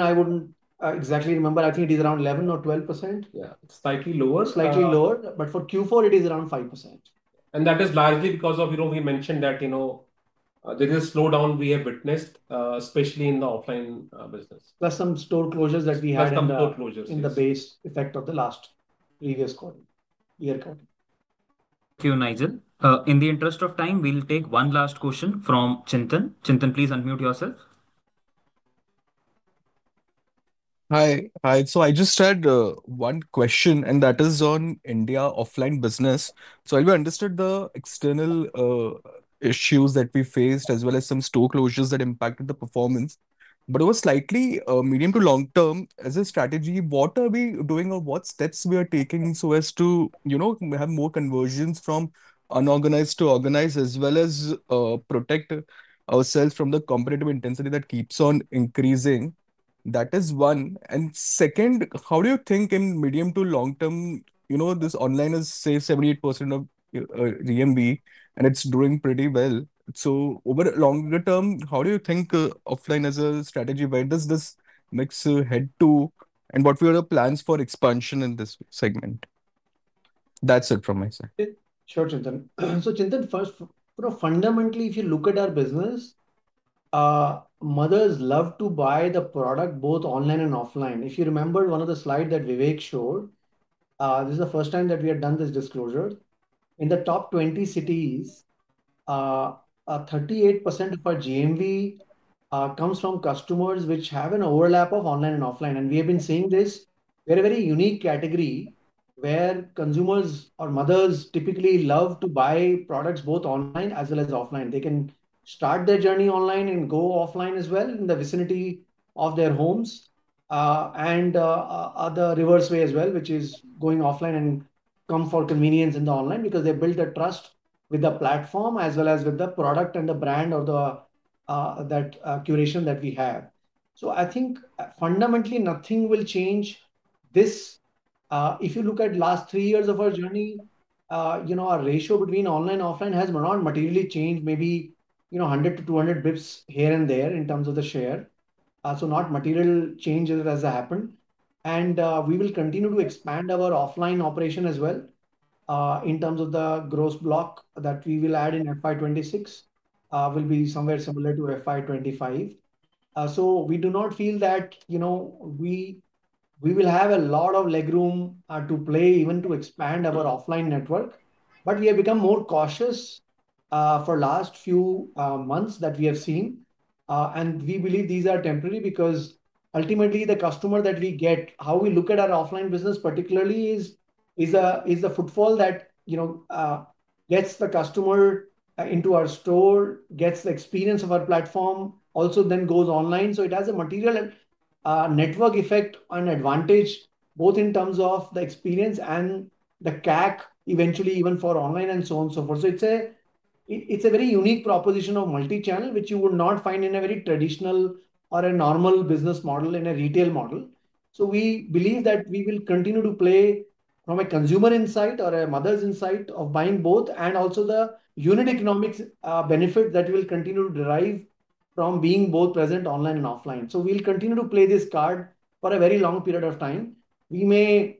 B: I wouldn't exactly remember. I think it is around 11% or 12%. Yeah. Slightly lower. Slightly lower. For Q4, it is around 5%.
D: That is largely because we mentioned that there is a slowdown we have witnessed, especially in the offline business.
B: Plus, some store closures that we had and the base effect of the last previous quarter, year quarter.
A: Thank you, Nigel. In the interest of time, we'll take one last question from Chintan. Chintan, please unmute yourself.
L: Hi. I just had one question, and that is on India offline business. I understood the external issues that we faced as well as some store closures that impacted the performance. It was slightly medium to long-term as a strategy. What are we doing or what steps we are taking so as to have more conversions from unorganized to organized as well as protect ourselves from the competitive intensity that keeps on increasing? That is one. Second, how do you think in medium to long-term this online has saved 78% of GMV, and it's doing pretty well? Over longer term, how do you think offline as a strategy, where does this mix head to, and what are your plans for expansion in this segment? That's it from my side.
B: Sure, Chintan. Chintan, first, fundamentally, if you look at our business, mothers love to buy the product both online and offline. If you remember one of the slides that Vivek showed, this is the first time that we had done this disclosure. In the top 20 cities, 38% of our GMV comes from customers which have an overlap of online and offline. We have been seeing this very, very unique category where consumers or mothers typically love to buy products both online as well as offline. They can start their journey online and go offline as well in the vicinity of their homes and the reverse way as well, which is going offline and come for convenience in the online because they build a trust with the platform as well as with the product and the brand or the curation that we have. I think fundamentally, nothing will change this. If you look at the last three years of our journey, our ratio between online and offline has not materially changed, maybe 100 to 200 bps here and there in terms of the share. Not material change as it has happened. We will continue to expand our offline operation as well in terms of the gross block that we will add in FY2026 will be somewhere similar to FY2025. We do not feel that we will have a lot of legroom to play even to expand our offline network. We have become more cautious for the last few months that we have seen. We believe these are temporary because ultimately, the customer that we get, how we look at our offline business particularly is the footfall that gets the customer into our store, gets the experience of our platform, also then goes online. It has a material network effect on advantage both in terms of the experience and the CAC eventually even for online and so on and so forth. It is a very unique proposition of multichannel which you would not find in a very traditional or a normal business model in a retail model. We believe that we will continue to play from a consumer insight or a mother's insight of buying both and also the unit economics benefit that will continue to derive from being both present online and offline. We will continue to play this card for a very long period of time. We may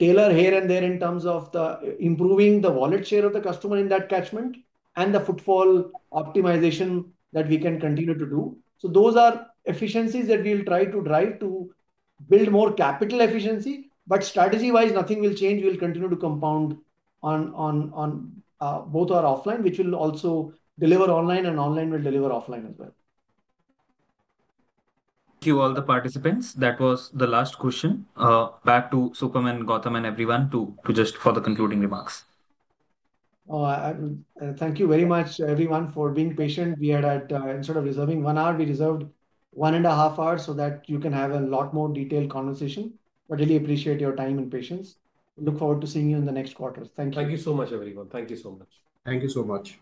B: tailor here and there in terms of improving the wallet share of the customer in that catchment and the footfall optimization that we can continue to do. Those are efficiencies that we will try to drive to build more capital efficiency. Strategy-wise, nothing will change. We will continue to compound on both our offline, which will also deliver online, and online will deliver offline as well.
A: Thank you, all the participants. That was the last question. Back to Supam and Gautam and everyone for the concluding remarks.
B: Thank you very much, everyone, for being patient. We had, instead of reserving one hour, we reserved one and a half hours so that you can have a lot more detailed conversation. Really appreciate your time and patience. Look forward to seeing you in the next quarter. Thank you.
D: Thank you so much, everyone. Thank you so much.
C: Thank you so much.